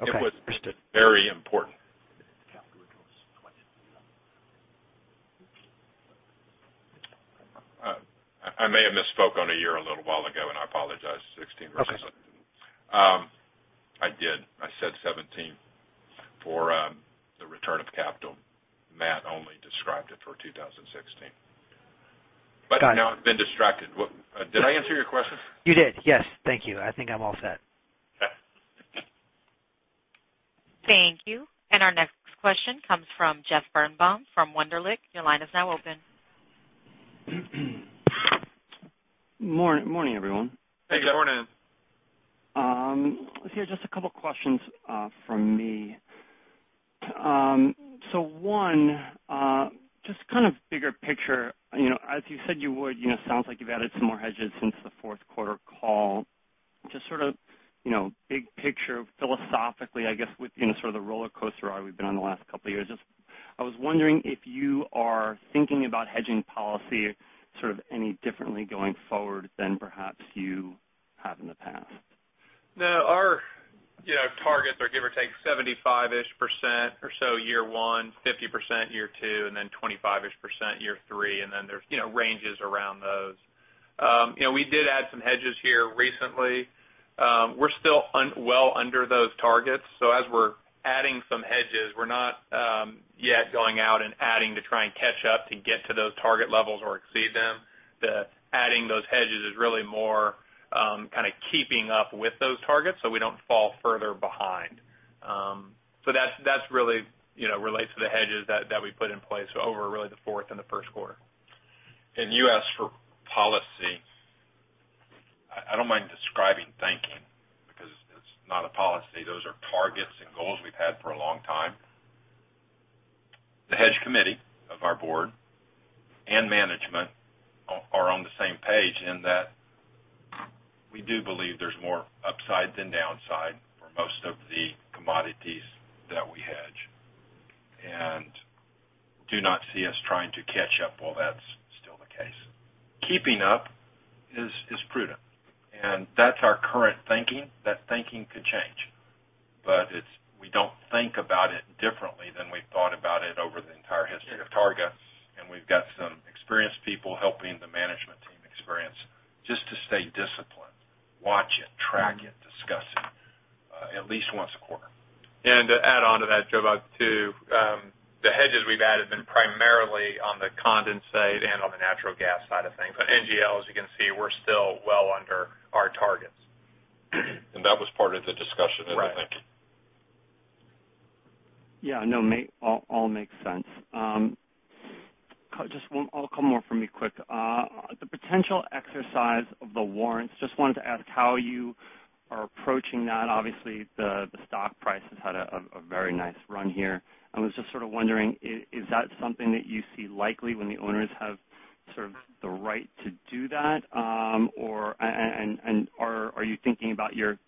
Okay. Understood. It was very important. I may have misspoke on a year a little while ago. I apologize. 2016 versus- Okay I did. I said 2017 for the return of capital. Matt only described it for 2016. Got it. Now I've been distracted. Did I answer your question? You did. Yes. Thank you. I think I'm all set. Okay. Thank you. Our next question comes from Jeff Birnbaum from Wunderlich. Your line is now open. Morning, everyone. Hey, Jeff. Good morning. Just a couple of questions from me. One, just kind of bigger picture. As you said you would, sounds like you've added some more hedges since the fourth quarter call. Just sort of big picture philosophically, I guess, with the sort of the roller coaster ride we've been on the last couple of years, I was wondering if you are thinking about hedging policy sort of any differently going forward than perhaps you have in the past? No. Our targets are give or take 75-ish% or so year one, 50% year two, and then 25-ish% year three, and then there's ranges around those. We did add some hedges here recently. We're still well under those targets, as we're adding some hedges, we're not yet going out and adding to try and catch up to get to those target levels or exceed them. The adding those hedges is really more kind of keeping up with those targets so we don't fall further behind. That really relates to the hedges that we put in place over really the fourth and the first quarter. You asked for policy. I don't mind describing thinking because it's not a policy. Those are targets and goals we've had for a long time. The hedge committee of our board and management are on the same page in that we do believe there's more upside than downside for most of the commodities that we hedge and do not see us trying to catch up while that's still the case. Keeping up is prudent, and that's our current thinking. That thinking could change. We don't think about it differently than we've thought about it over the entire history of Targa, and we've got some experienced people helping the management team experience just to stay disciplined, watch it, track it, discuss it At least once a quarter. To add on to that, Joe Bob, too, the hedges we've added have been primarily on the condensate and on the natural gas side of things. NGL, as you can see, we're still well under our targets. That was part of the discussion, I think. Right. Yeah. No, all makes sense. Just a couple more from me quick. The potential exercise of the warrants, just wanted to ask how you are approaching that. Obviously, the stock price has had a very nice run here. I was just sort of wondering, is that something that you see likely when the owners have sort of the right to do that? Are you thinking about your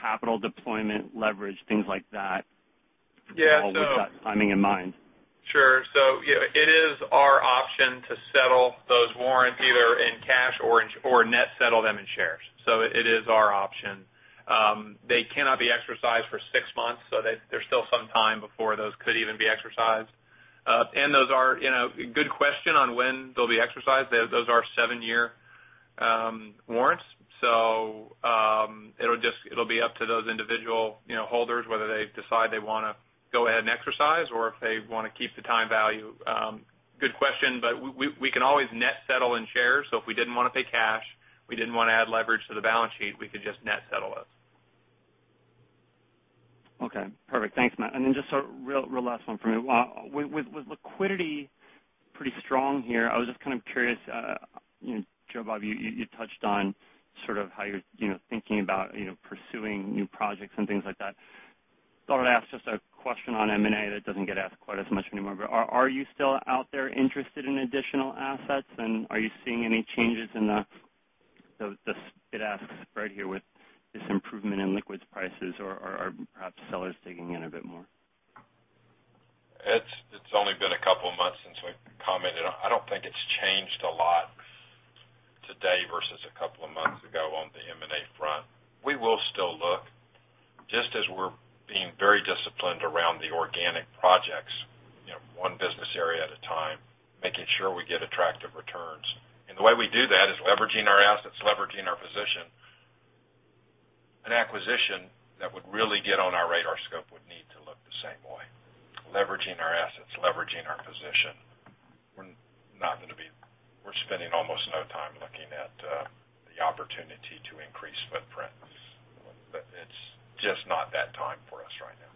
capital deployment leverage, things like that- Yeah. -with that timing in mind? Sure. It is our option to settle those warrants either in cash or net settle them in shares. It is our option. They cannot be exercised for six months, so there's still some time before those could even be exercised. Good question on when they'll be exercised. Those are seven-year warrants, so it'll be up to those individual holders whether they decide they want to go ahead and exercise or if they want to keep the time value. Good question, but we can always net settle in shares. If we didn't want to pay cash, we didn't want to add leverage to the balance sheet, we could just net settle those. Okay, perfect. Thanks, Matt. Just a real last one for me. With liquidity pretty strong here, I was just kind of curious, Joe Bob, you touched on sort of how you're thinking about pursuing new projects and things like that. Thought I'd ask just a question on M&A that doesn't get asked quite as much anymore. Are you still out there interested in additional assets, and are you seeing any changes in the bid-asks right here with this improvement in liquids prices, or are perhaps sellers digging in a bit more? It's only been a couple of months since we've commented. I don't think it's changed a lot today versus a couple of months ago on the M&A front. We will still look just as we're being very disciplined around the organic projects, one business area at a time, making sure we get attractive returns. The way we do that is leveraging our assets, leveraging our position. An acquisition that would really get on our radar scope would need to look the same way, leveraging our assets, leveraging our position. We're spending almost no time looking at the opportunity to increase footprints. It's just not that time for us right now.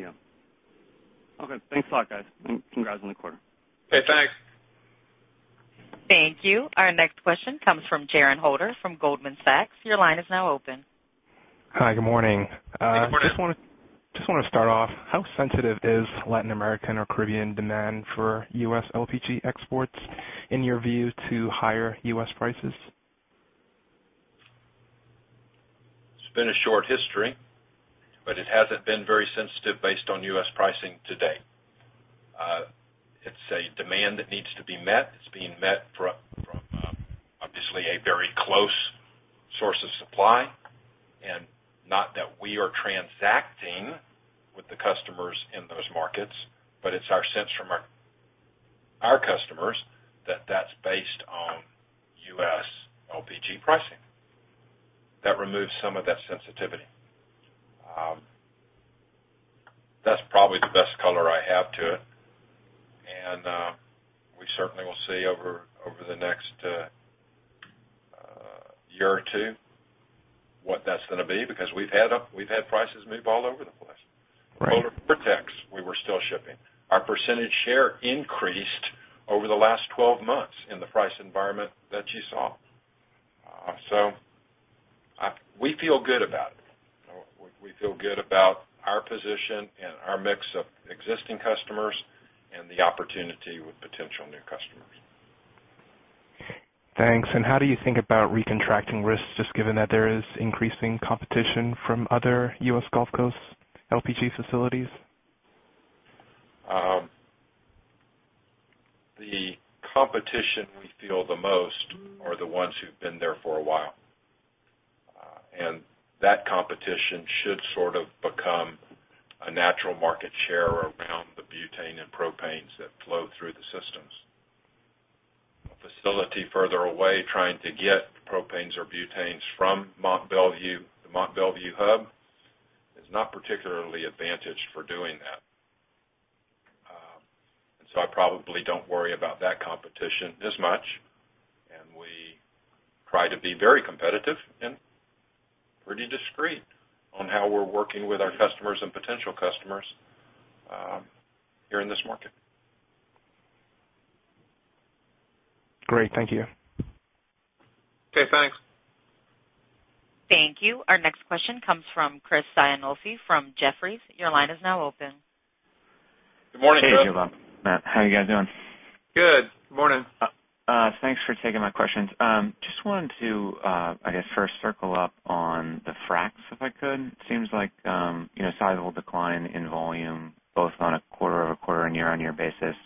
Yeah. Okay. Thanks a lot, guys, and congrats on the quarter. Okay, thanks. Thank you. Our next question comes from Jerren Holder from Goldman Sachs. Your line is now open. Hi, good morning. Good morning. Just want to start off, how sensitive is Latin American or Caribbean demand for U.S. LPG exports, in your view, to higher U.S. prices? It's been a short history, but it hasn't been very sensitive based on U.S. pricing to date. It's a demand that needs to be met. It's being met from obviously a very close source of supply. Not that we are transacting with the customers in those markets, but it's our sense from our customers that that's based on U.S. LPG pricing. That removes some of that sensitivity. That's probably the best color I have to it. We certainly will see over the next year or two what that's going to be, because we've had prices move all over the place. Right. protects, we were still shipping. Our percentage share increased over the last 12 months in the price environment that you saw. We feel good about it. We feel good about our position and our mix of existing customers and the opportunity with potential new customers. Thanks. How do you think about recontracting risks, just given that there is increasing competition from other U.S. Gulf Coast LPG facilities? The competition we feel the most are the ones who've been there for a while. That competition should sort of become a natural market share around the butane and propanes that flow through the systems. A facility further away trying to get propanes or butanes from Mont Belvieu Hub is not particularly advantaged for doing that. I probably don't worry about that competition as much, and we try to be very competitive and pretty discreet on how we're working with our customers and potential customers here in this market. Great. Thank you. Okay, thanks. Thank you. Our next question comes from Chris Sighinolfi from Jefferies. Your line is now open. Good morning, Chris. Hey, Joe Bob, Matt, how you guys doing? Good. Morning. Thanks for taking my questions. Just wanted to I guess first circle up on the fracs, if I could. Seems like a sizable decline in volume both on a quarter-over-quarter and year-on-year basis.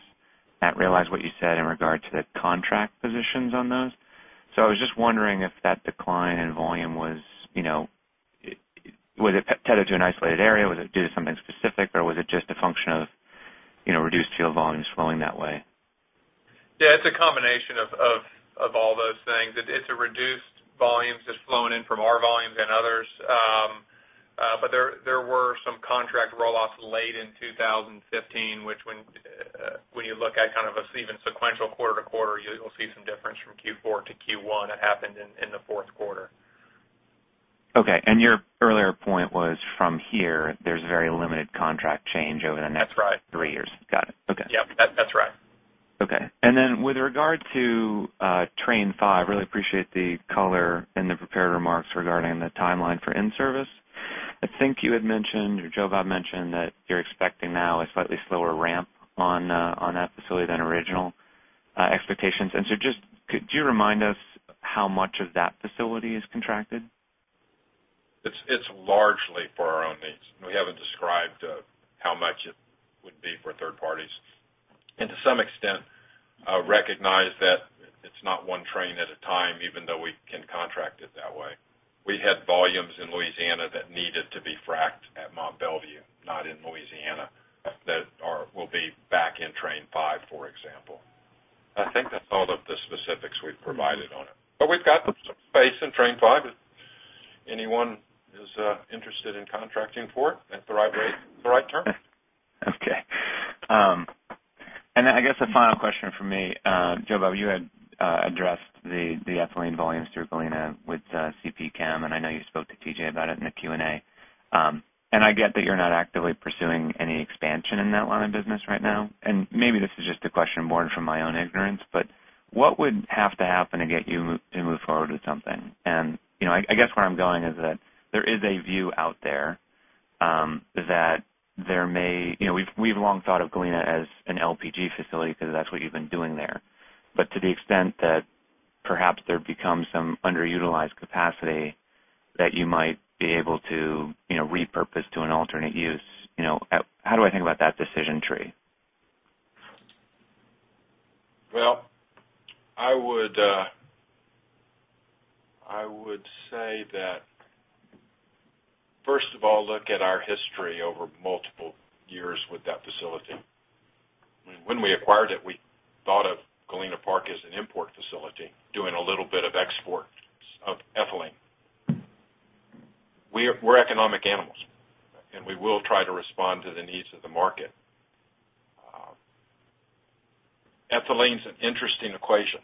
Matt, I realized what you said in regard to the contract positions on those. I was just wondering if that decline in volume was it tethered to an isolated area? Was it due to something specific, or was it just a function of reduced fuel volumes flowing that way? Yeah, it's a combination of all those things. It's a reduced volumes just flowing in from our volumes and others. There were some contract roll-offs late in 2015, which when you look at kind of an even sequential quarter to quarter, you'll see some difference from Q4 to Q1 that happened in the fourth quarter. Okay, your earlier point was from here, there's very limited contract change over the next- That's right three years. Got it. Okay. Yep. That's right. Okay. With regard to Train 5, really appreciate the color and the prepared remarks regarding the timeline for in-service. I think you had mentioned, or Joe Bob mentioned that you're expecting now a slightly slower ramp on that facility than original expectations. Just could you remind us how much of that facility is contracted? It's largely for our own needs. We haven't described how much it would be for third parties. To some extent, recognize that it's not one train at a time, even though we can contract it that way. We had volumes in Louisiana that needed to be fracked at Mont Belvieu, not in Louisiana, that will be back in Train 5, for example. I think that's all of the specifics we've provided on it. We've got some space in Train 5 if anyone is interested in contracting for it at the right rate, the right terms. Okay. I guess the final question from me, Joe Bob, you had addressed the ethylene volumes through Galena with CP Chem, and I know you spoke to T.J. about it in the Q&A. I get that you're not actively pursuing any expansion in that line of business right now. Maybe this is just a question born from my own ignorance, what would have to happen to get you to move forward with something? I guess where I'm going is that there is a view out there that We've long thought of Galena as an LPG facility because that's what you've been doing there. To the extent that perhaps there becomes some underutilized capacity that you might be able to repurpose to an alternate use. How do I think about that decision tree? I would say that, first of all, look at our history over multiple years with that facility. When we acquired it, we thought of Galena Park as an import facility, doing a little bit of export of ethylene. We're economic animals. We will try to respond to the needs of the market. Ethylene's an interesting equation.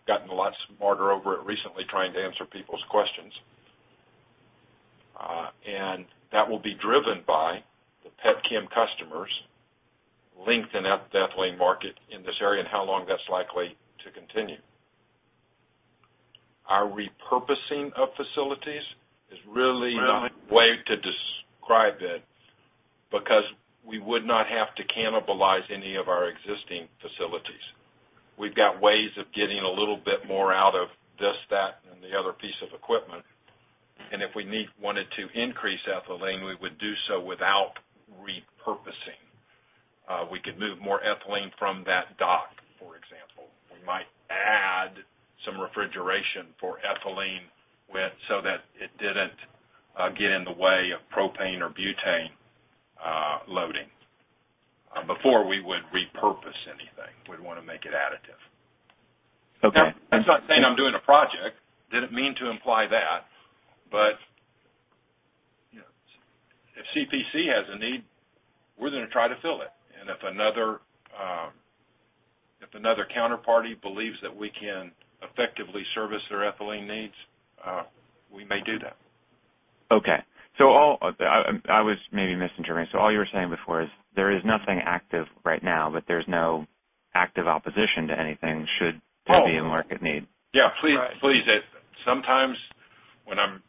I've gotten a lot smarter over it recently trying to answer people's questions. That will be driven by the petchem customers' length in that ethylene market in this area and how long that's likely to continue. Our repurposing of facilities is really the only way to describe it because we would not have to cannibalize any of our existing facilities. We've got ways of getting a little bit more out of this, that, and the other piece of equipment. If we wanted to increase ethylene, we would do so without repurposing. We could move more ethylene from that dock, for example. We might add some refrigeration for ethylene so that it didn't get in the way of propane or butane loading. Before we would repurpose anything, we'd want to make it additive. Okay. That's not saying I'm doing a project, didn't mean to imply that. If CPC has a need, we're going to try to fill it. If another counterparty believes that we can effectively service their ethylene needs, we may do that. Okay. I was maybe misinterpreting. All you were saying before is there is nothing active right now, but there's no active opposition to anything should. Oh There be a market need. Yeah. Please. Right. Sometimes when I'm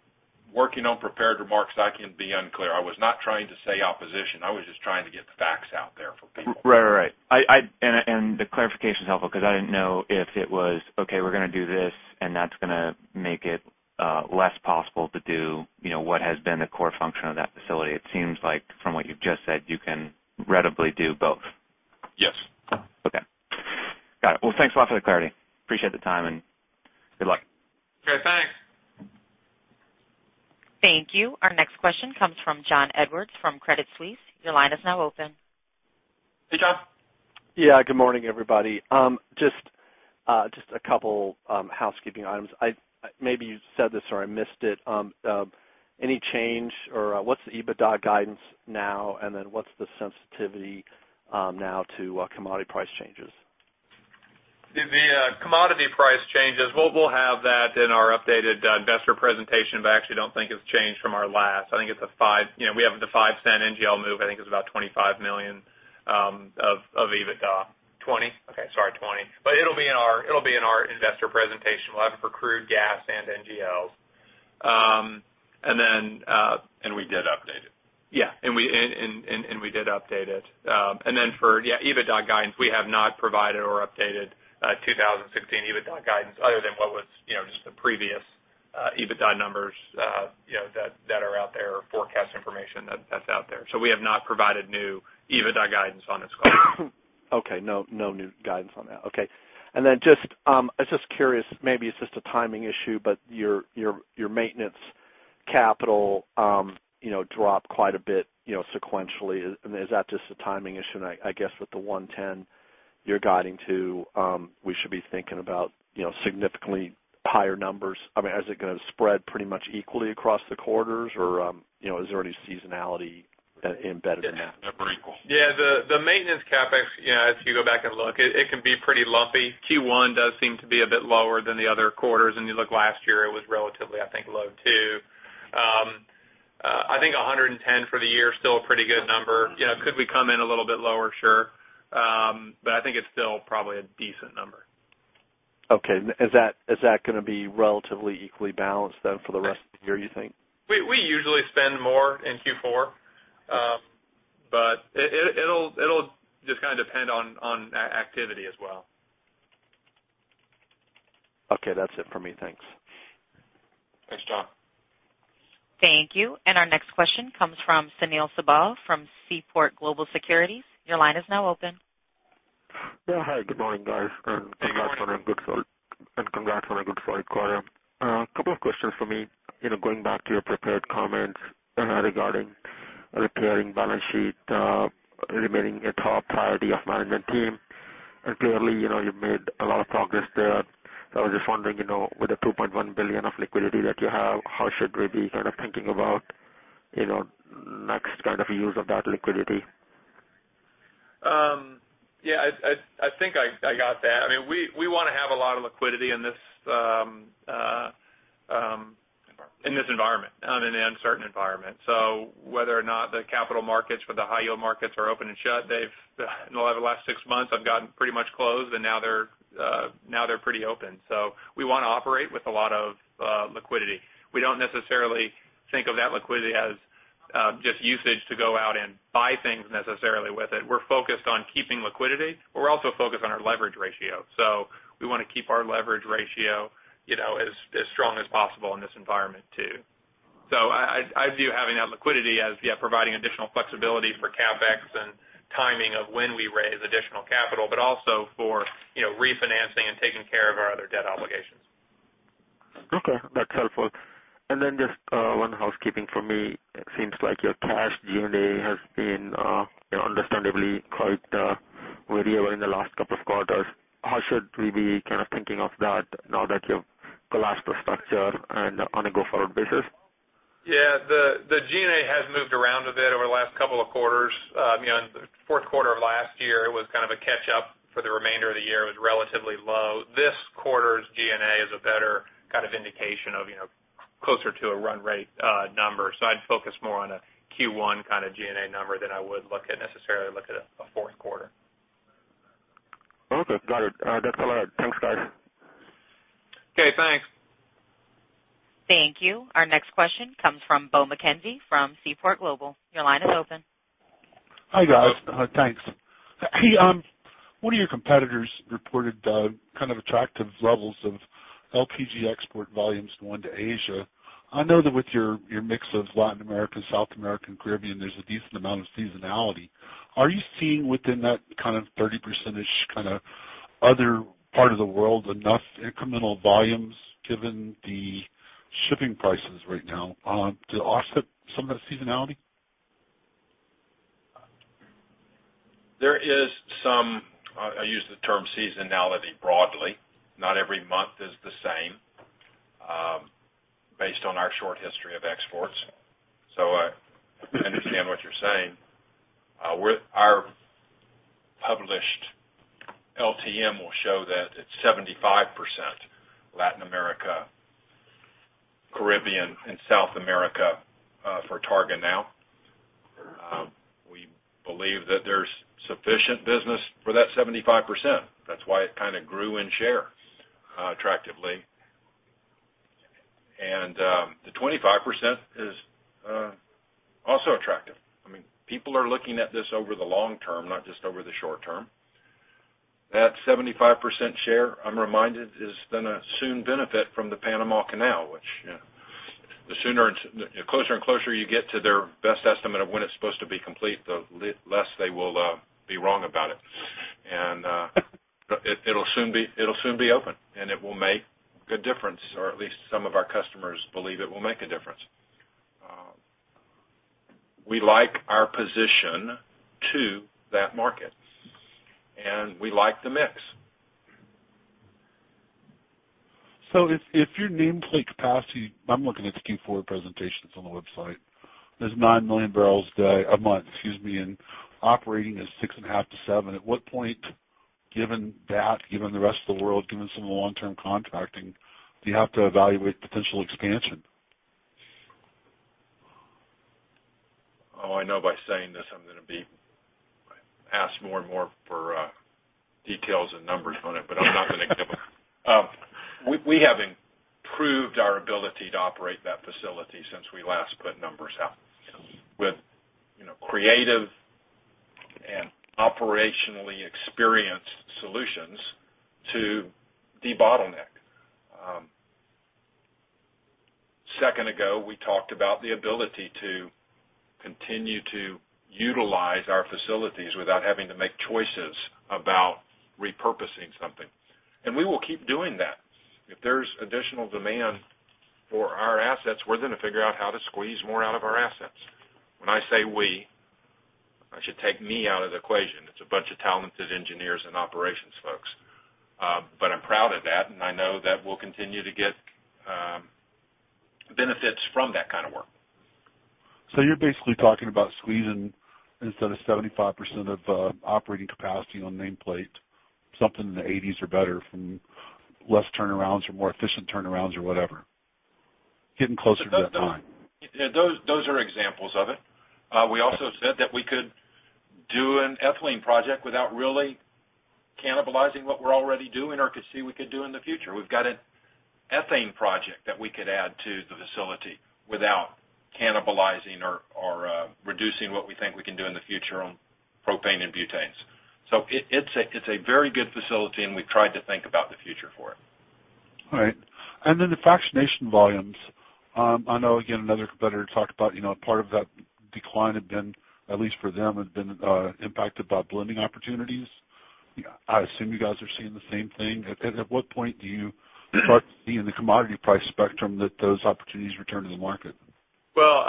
working on prepared remarks, I can be unclear. I was not trying to say opposition. I was just trying to get the facts out there for people. Right. The clarification's helpful because I didn't know if it was, okay, we're going to do this, and that's going to make it less possible to do what has been the core function of that facility. It seems like from what you've just said, you can readily do both. Yes. Oh, okay. Got it. Well, thanks a lot for the clarity. Appreciate the time, and good luck. Okay, thanks. Thank you. Our next question comes from John Edwards from Credit Suisse. Your line is now open. Hey, John. Good morning, everybody. Just a couple housekeeping items. Maybe you said this or I missed it. Any change or what's the EBITDA guidance now, and then what's the sensitivity now to commodity price changes? The commodity price changes, we'll have that in our updated investor presentation, I actually don't think it's changed from our last. I think it's a five. We have the $0.05 NGL move. I think it's about $25 million of EBITDA. 20? Okay, sorry, 20. It'll be in our investor presentation. We'll have it for crude gas and NGLs. We did update it. Yeah. We did update it. For, yeah, EBITDA guidance, we have not provided or updated 2016 EBITDA guidance other than what was just the previous EBITDA numbers that are out there or forecast information that's out there. We have not provided new EBITDA guidance on this call. Okay. No new guidance on that. Okay. I was just curious, maybe it's just a timing issue, but your maintenance capital dropped quite a bit sequentially. Is that just a timing issue? I guess with the 110 you're guiding to, we should be thinking about significantly higher numbers. Is it going to spread pretty much equally across the quarters, or is there any seasonality embedded in that number? Equal. Yeah, the maintenance CapEx, if you go back and look, it can be pretty lumpy. Q1 does seem to be a bit lower than the other quarters. You look last year, it was relatively, I think, low too. I think 110 for the year is still a pretty good number. Could we come in a little bit lower? Sure. I think it's still probably a decent number. Okay. Is that going to be relatively equally balanced, then, for the rest of the year, you think? We usually spend more in Q4. It'll just kind of depend on activity as well. Okay, that's it for me. Thanks. Thanks, John. Thank you. Our next question comes from Sunil Sibal from Seaport Global Securities. Your line is now open. Yeah. Hi, good morning, guys. Good morning. Congrats on a good start quarter. A couple of questions for me. Going back to your prepared comments regarding repairing balance sheet remaining a top priority of management team. Clearly, you've made a lot of progress there. I was just wondering, with the $2.1 billion of liquidity that you have, how should we be kind of thinking about next kind of use of that liquidity? Yeah, I think I got that. We want to have a lot of liquidity in this- Environment In this environment, in an uncertain environment. Whether or not the capital markets for the high yield markets are open and shut, over the last 6 months, have gotten pretty much closed, and now they are pretty open. We want to operate with a lot of liquidity. We do not necessarily think of that liquidity as just usage to go out and buy things necessarily with it. We are focused on keeping liquidity. We are also focused on our leverage ratio. We want to keep our leverage ratio as strong as possible in this environment, too. I view having that liquidity as providing additional flexibility for CapEx and timing of when we raise additional capital, but also for refinancing and taking care of our other debt obligations. Okay. That's helpful. Then just one housekeeping from me. It seems like your cash G&A has been understandably quite variable in the last couple of quarters. How should we be kind of thinking of that now that you've collapsed the structure and on a go-forward basis? Yeah. The G&A has moved around a bit over the last couple of quarters. The fourth quarter of last year, it was kind of a catch up for the remainder of the year. It was relatively low. This quarter's G&A is a better kind of indication of closer to a run rate number. I'd focus more on a Q1 kind of G&A number than I would necessarily look at a fourth quarter. Okay. Got it. That's all I had. Thanks, guys. Okay, thanks. Thank you. Our next question comes from Bo McKenzie from Seaport Global. Your line is open. Hi, guys. Thanks. One of your competitors reported kind of attractive levels of LPG export volumes going to Asia. I know that with your mix of Latin America, South American, Caribbean, there's a decent amount of seasonality. Are you seeing within that kind of 30% ish kind of other part of the world, enough incremental volumes given the shipping prices right now to offset some of that seasonality? I use the term seasonality broadly. Not every month is the same based on our short history of exports. I understand what you're saying. Our published LTM will show that it's 75% Latin America, Caribbean, and South America for Targa now. We believe that there's sufficient business for that 75%. That's why it kind of grew in share attractively. The 25% is also attractive. People are looking at this over the long term, not just over the short term. That 75% share, I'm reminded, is going to soon benefit from the Panama Canal, which the closer and closer you get to their best estimate of when it's supposed to be complete, the less they will be wrong about it. It'll soon be open, and it will make a difference, or at least some of our customers believe it will make a difference. We like our position to that market, and we like the mix. If your nameplate capacity, I'm looking at the Q4 presentation that's on the website. There's 9 million barrels a month, excuse me, and operating is 6.5 to 7. At what point, given that, given the rest of the world, given some of the long-term contracting, do you have to evaluate potential expansion? I know by saying this, I'm going to be asked more and more for details and numbers on it, but I'm not going to give them. We have improved our ability to operate that facility since we last put numbers out with creative and operationally experienced solutions to debottleneck. A second ago, we talked about the ability to continue to utilize our facilities without having to make choices about repurposing something. We will keep doing that. If there's additional demand for our assets, we're going to figure out how to squeeze more out of our assets. When I say we, I should take me out of the equation. It's a bunch of talented engineers and operations folks. I'm proud of that, and I know that we'll continue to get benefits from that kind of work. You're basically talking about squeezing, instead of 75% of operating capacity on nameplate, something in the 80s or better from less turnarounds or more efficient turnarounds or whatever. Getting closer to that time. Those are examples of it. We also said that we could do an ethylene project without really cannibalizing what we're already doing or could see we could do in the future. We've got an ethane project that we could add to the facility without cannibalizing or reducing what we think we can do in the future on propane and butanes. It's a very good facility, and we've tried to think about the future for it. All right. The fractionation volumes. I know again, another competitor talked about part of that decline had been, at least for them, had been impacted by blending opportunities. I assume you guys are seeing the same thing. At what point do you start to see in the commodity price spectrum that those opportunities return to the market? Well,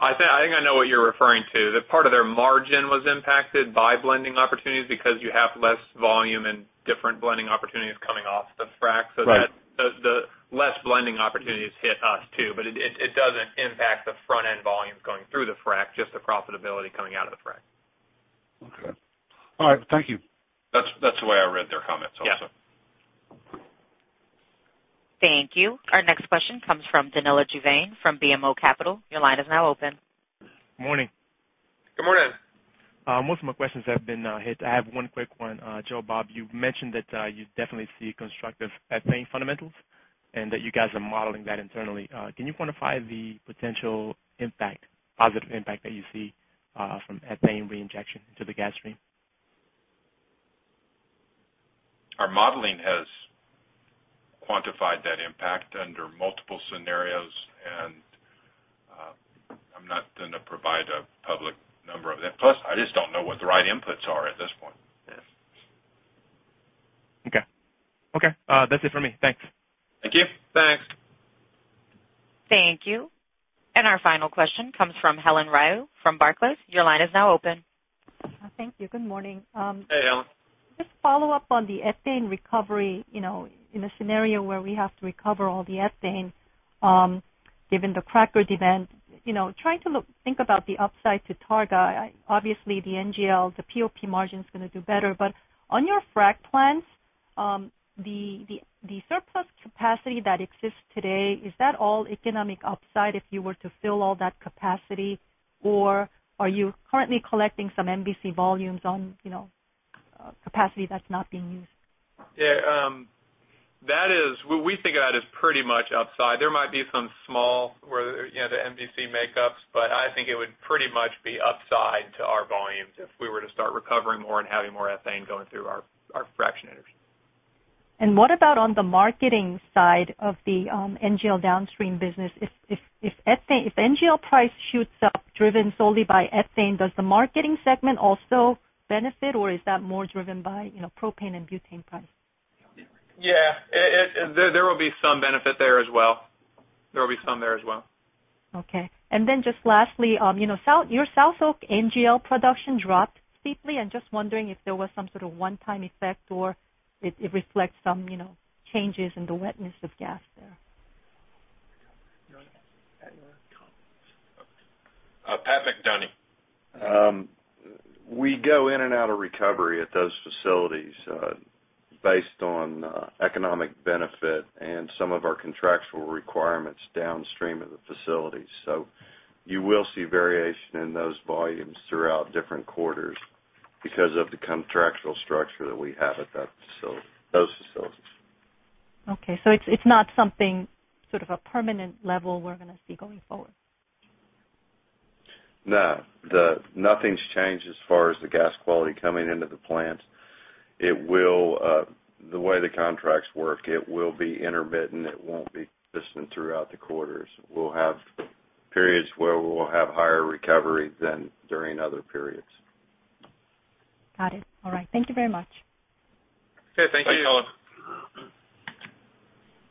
I think I know what you're referring to. That part of their margin was impacted by blending opportunities because you have less volume and different blending opportunities coming off the fracs. Right. The less blending opportunities hit us too, it doesn't impact the front-end volumes going through the frac, just the profitability coming out of the frac. Okay. All right. Thank you. That's the way I read their comments also. Yeah. Thank you. Our next question comes from Danilo Juvane from BMO Capital. Your line is now open. Morning. Good morning. Most of my questions have been hit. I have one quick one. Joe Bob, you've mentioned that you definitely see constructive ethane fundamentals and that you guys are modeling that internally. Can you quantify the potential positive impact that you see from ethane reinjection into the gas stream? Our modeling has quantified that impact under multiple scenarios. I'm not going to provide a public number of it. Plus, I just don't know what the right inputs are at this point. Yes. Okay. That's it for me. Thanks. Thank you. Thanks. Thank you. Our final question comes from Helen Ryoo from Barclays. Your line is now open. Thank you. Good morning. Hey, Helen. Just follow up on the ethane recovery. In a scenario where we have to recover all the ethane, given the cracker demand, trying to think about the upside to Targa. Obviously, the NGL, the POP margin is going to do better, but on your frac plans, the surplus capacity that exists today, is that all economic upside if you were to fill all that capacity or are you currently collecting some MVC volumes on capacity that's not being used? Yeah. We think of that as pretty much upside. There might be some small where the MVC makeups, but I think it would pretty much be upside to our volumes if we were to start recovering more and having more ethane going through our fractionators. What about on the marketing side of the NGL downstream business? If NGL price shoots up driven solely by ethane, does the marketing segment also benefit, or is that more driven by propane and butane price? Yeah. There will be some benefit there as well. There will be some there as well. Okay. Just lastly, your South Oak NGL production dropped steeply. I'm just wondering if there was some sort of one-time effect, or it reflects some changes in the wetness of gas there. You want to answer that or? Pat McDonie. We go in and out of recovery at those facilities based on economic benefit and some of our contractual requirements downstream of the facilities. You will see variation in those volumes throughout different quarters because of the contractual structure that we have at those facilities. Okay. It's not something sort of a permanent level we're going to see going forward? No. Nothing's changed as far as the gas quality coming into the plant. The way the contracts work, it will be intermittent. It won't be consistent throughout the quarters. We'll have periods where we will have higher recovery than during other periods. Got it. All right. Thank you very much. Okay, thank you. Thanks, Helen.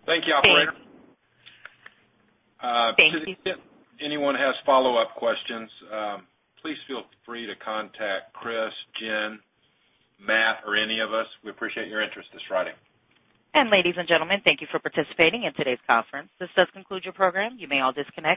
Thank you, operator. Thanks. If anyone has follow-up questions, please feel free to contact Chris, Jen, Matt, or any of us. We appreciate your interest this Friday. Ladies and gentlemen, thank you for participating in today's conference. This does conclude your program. You may all disconnect.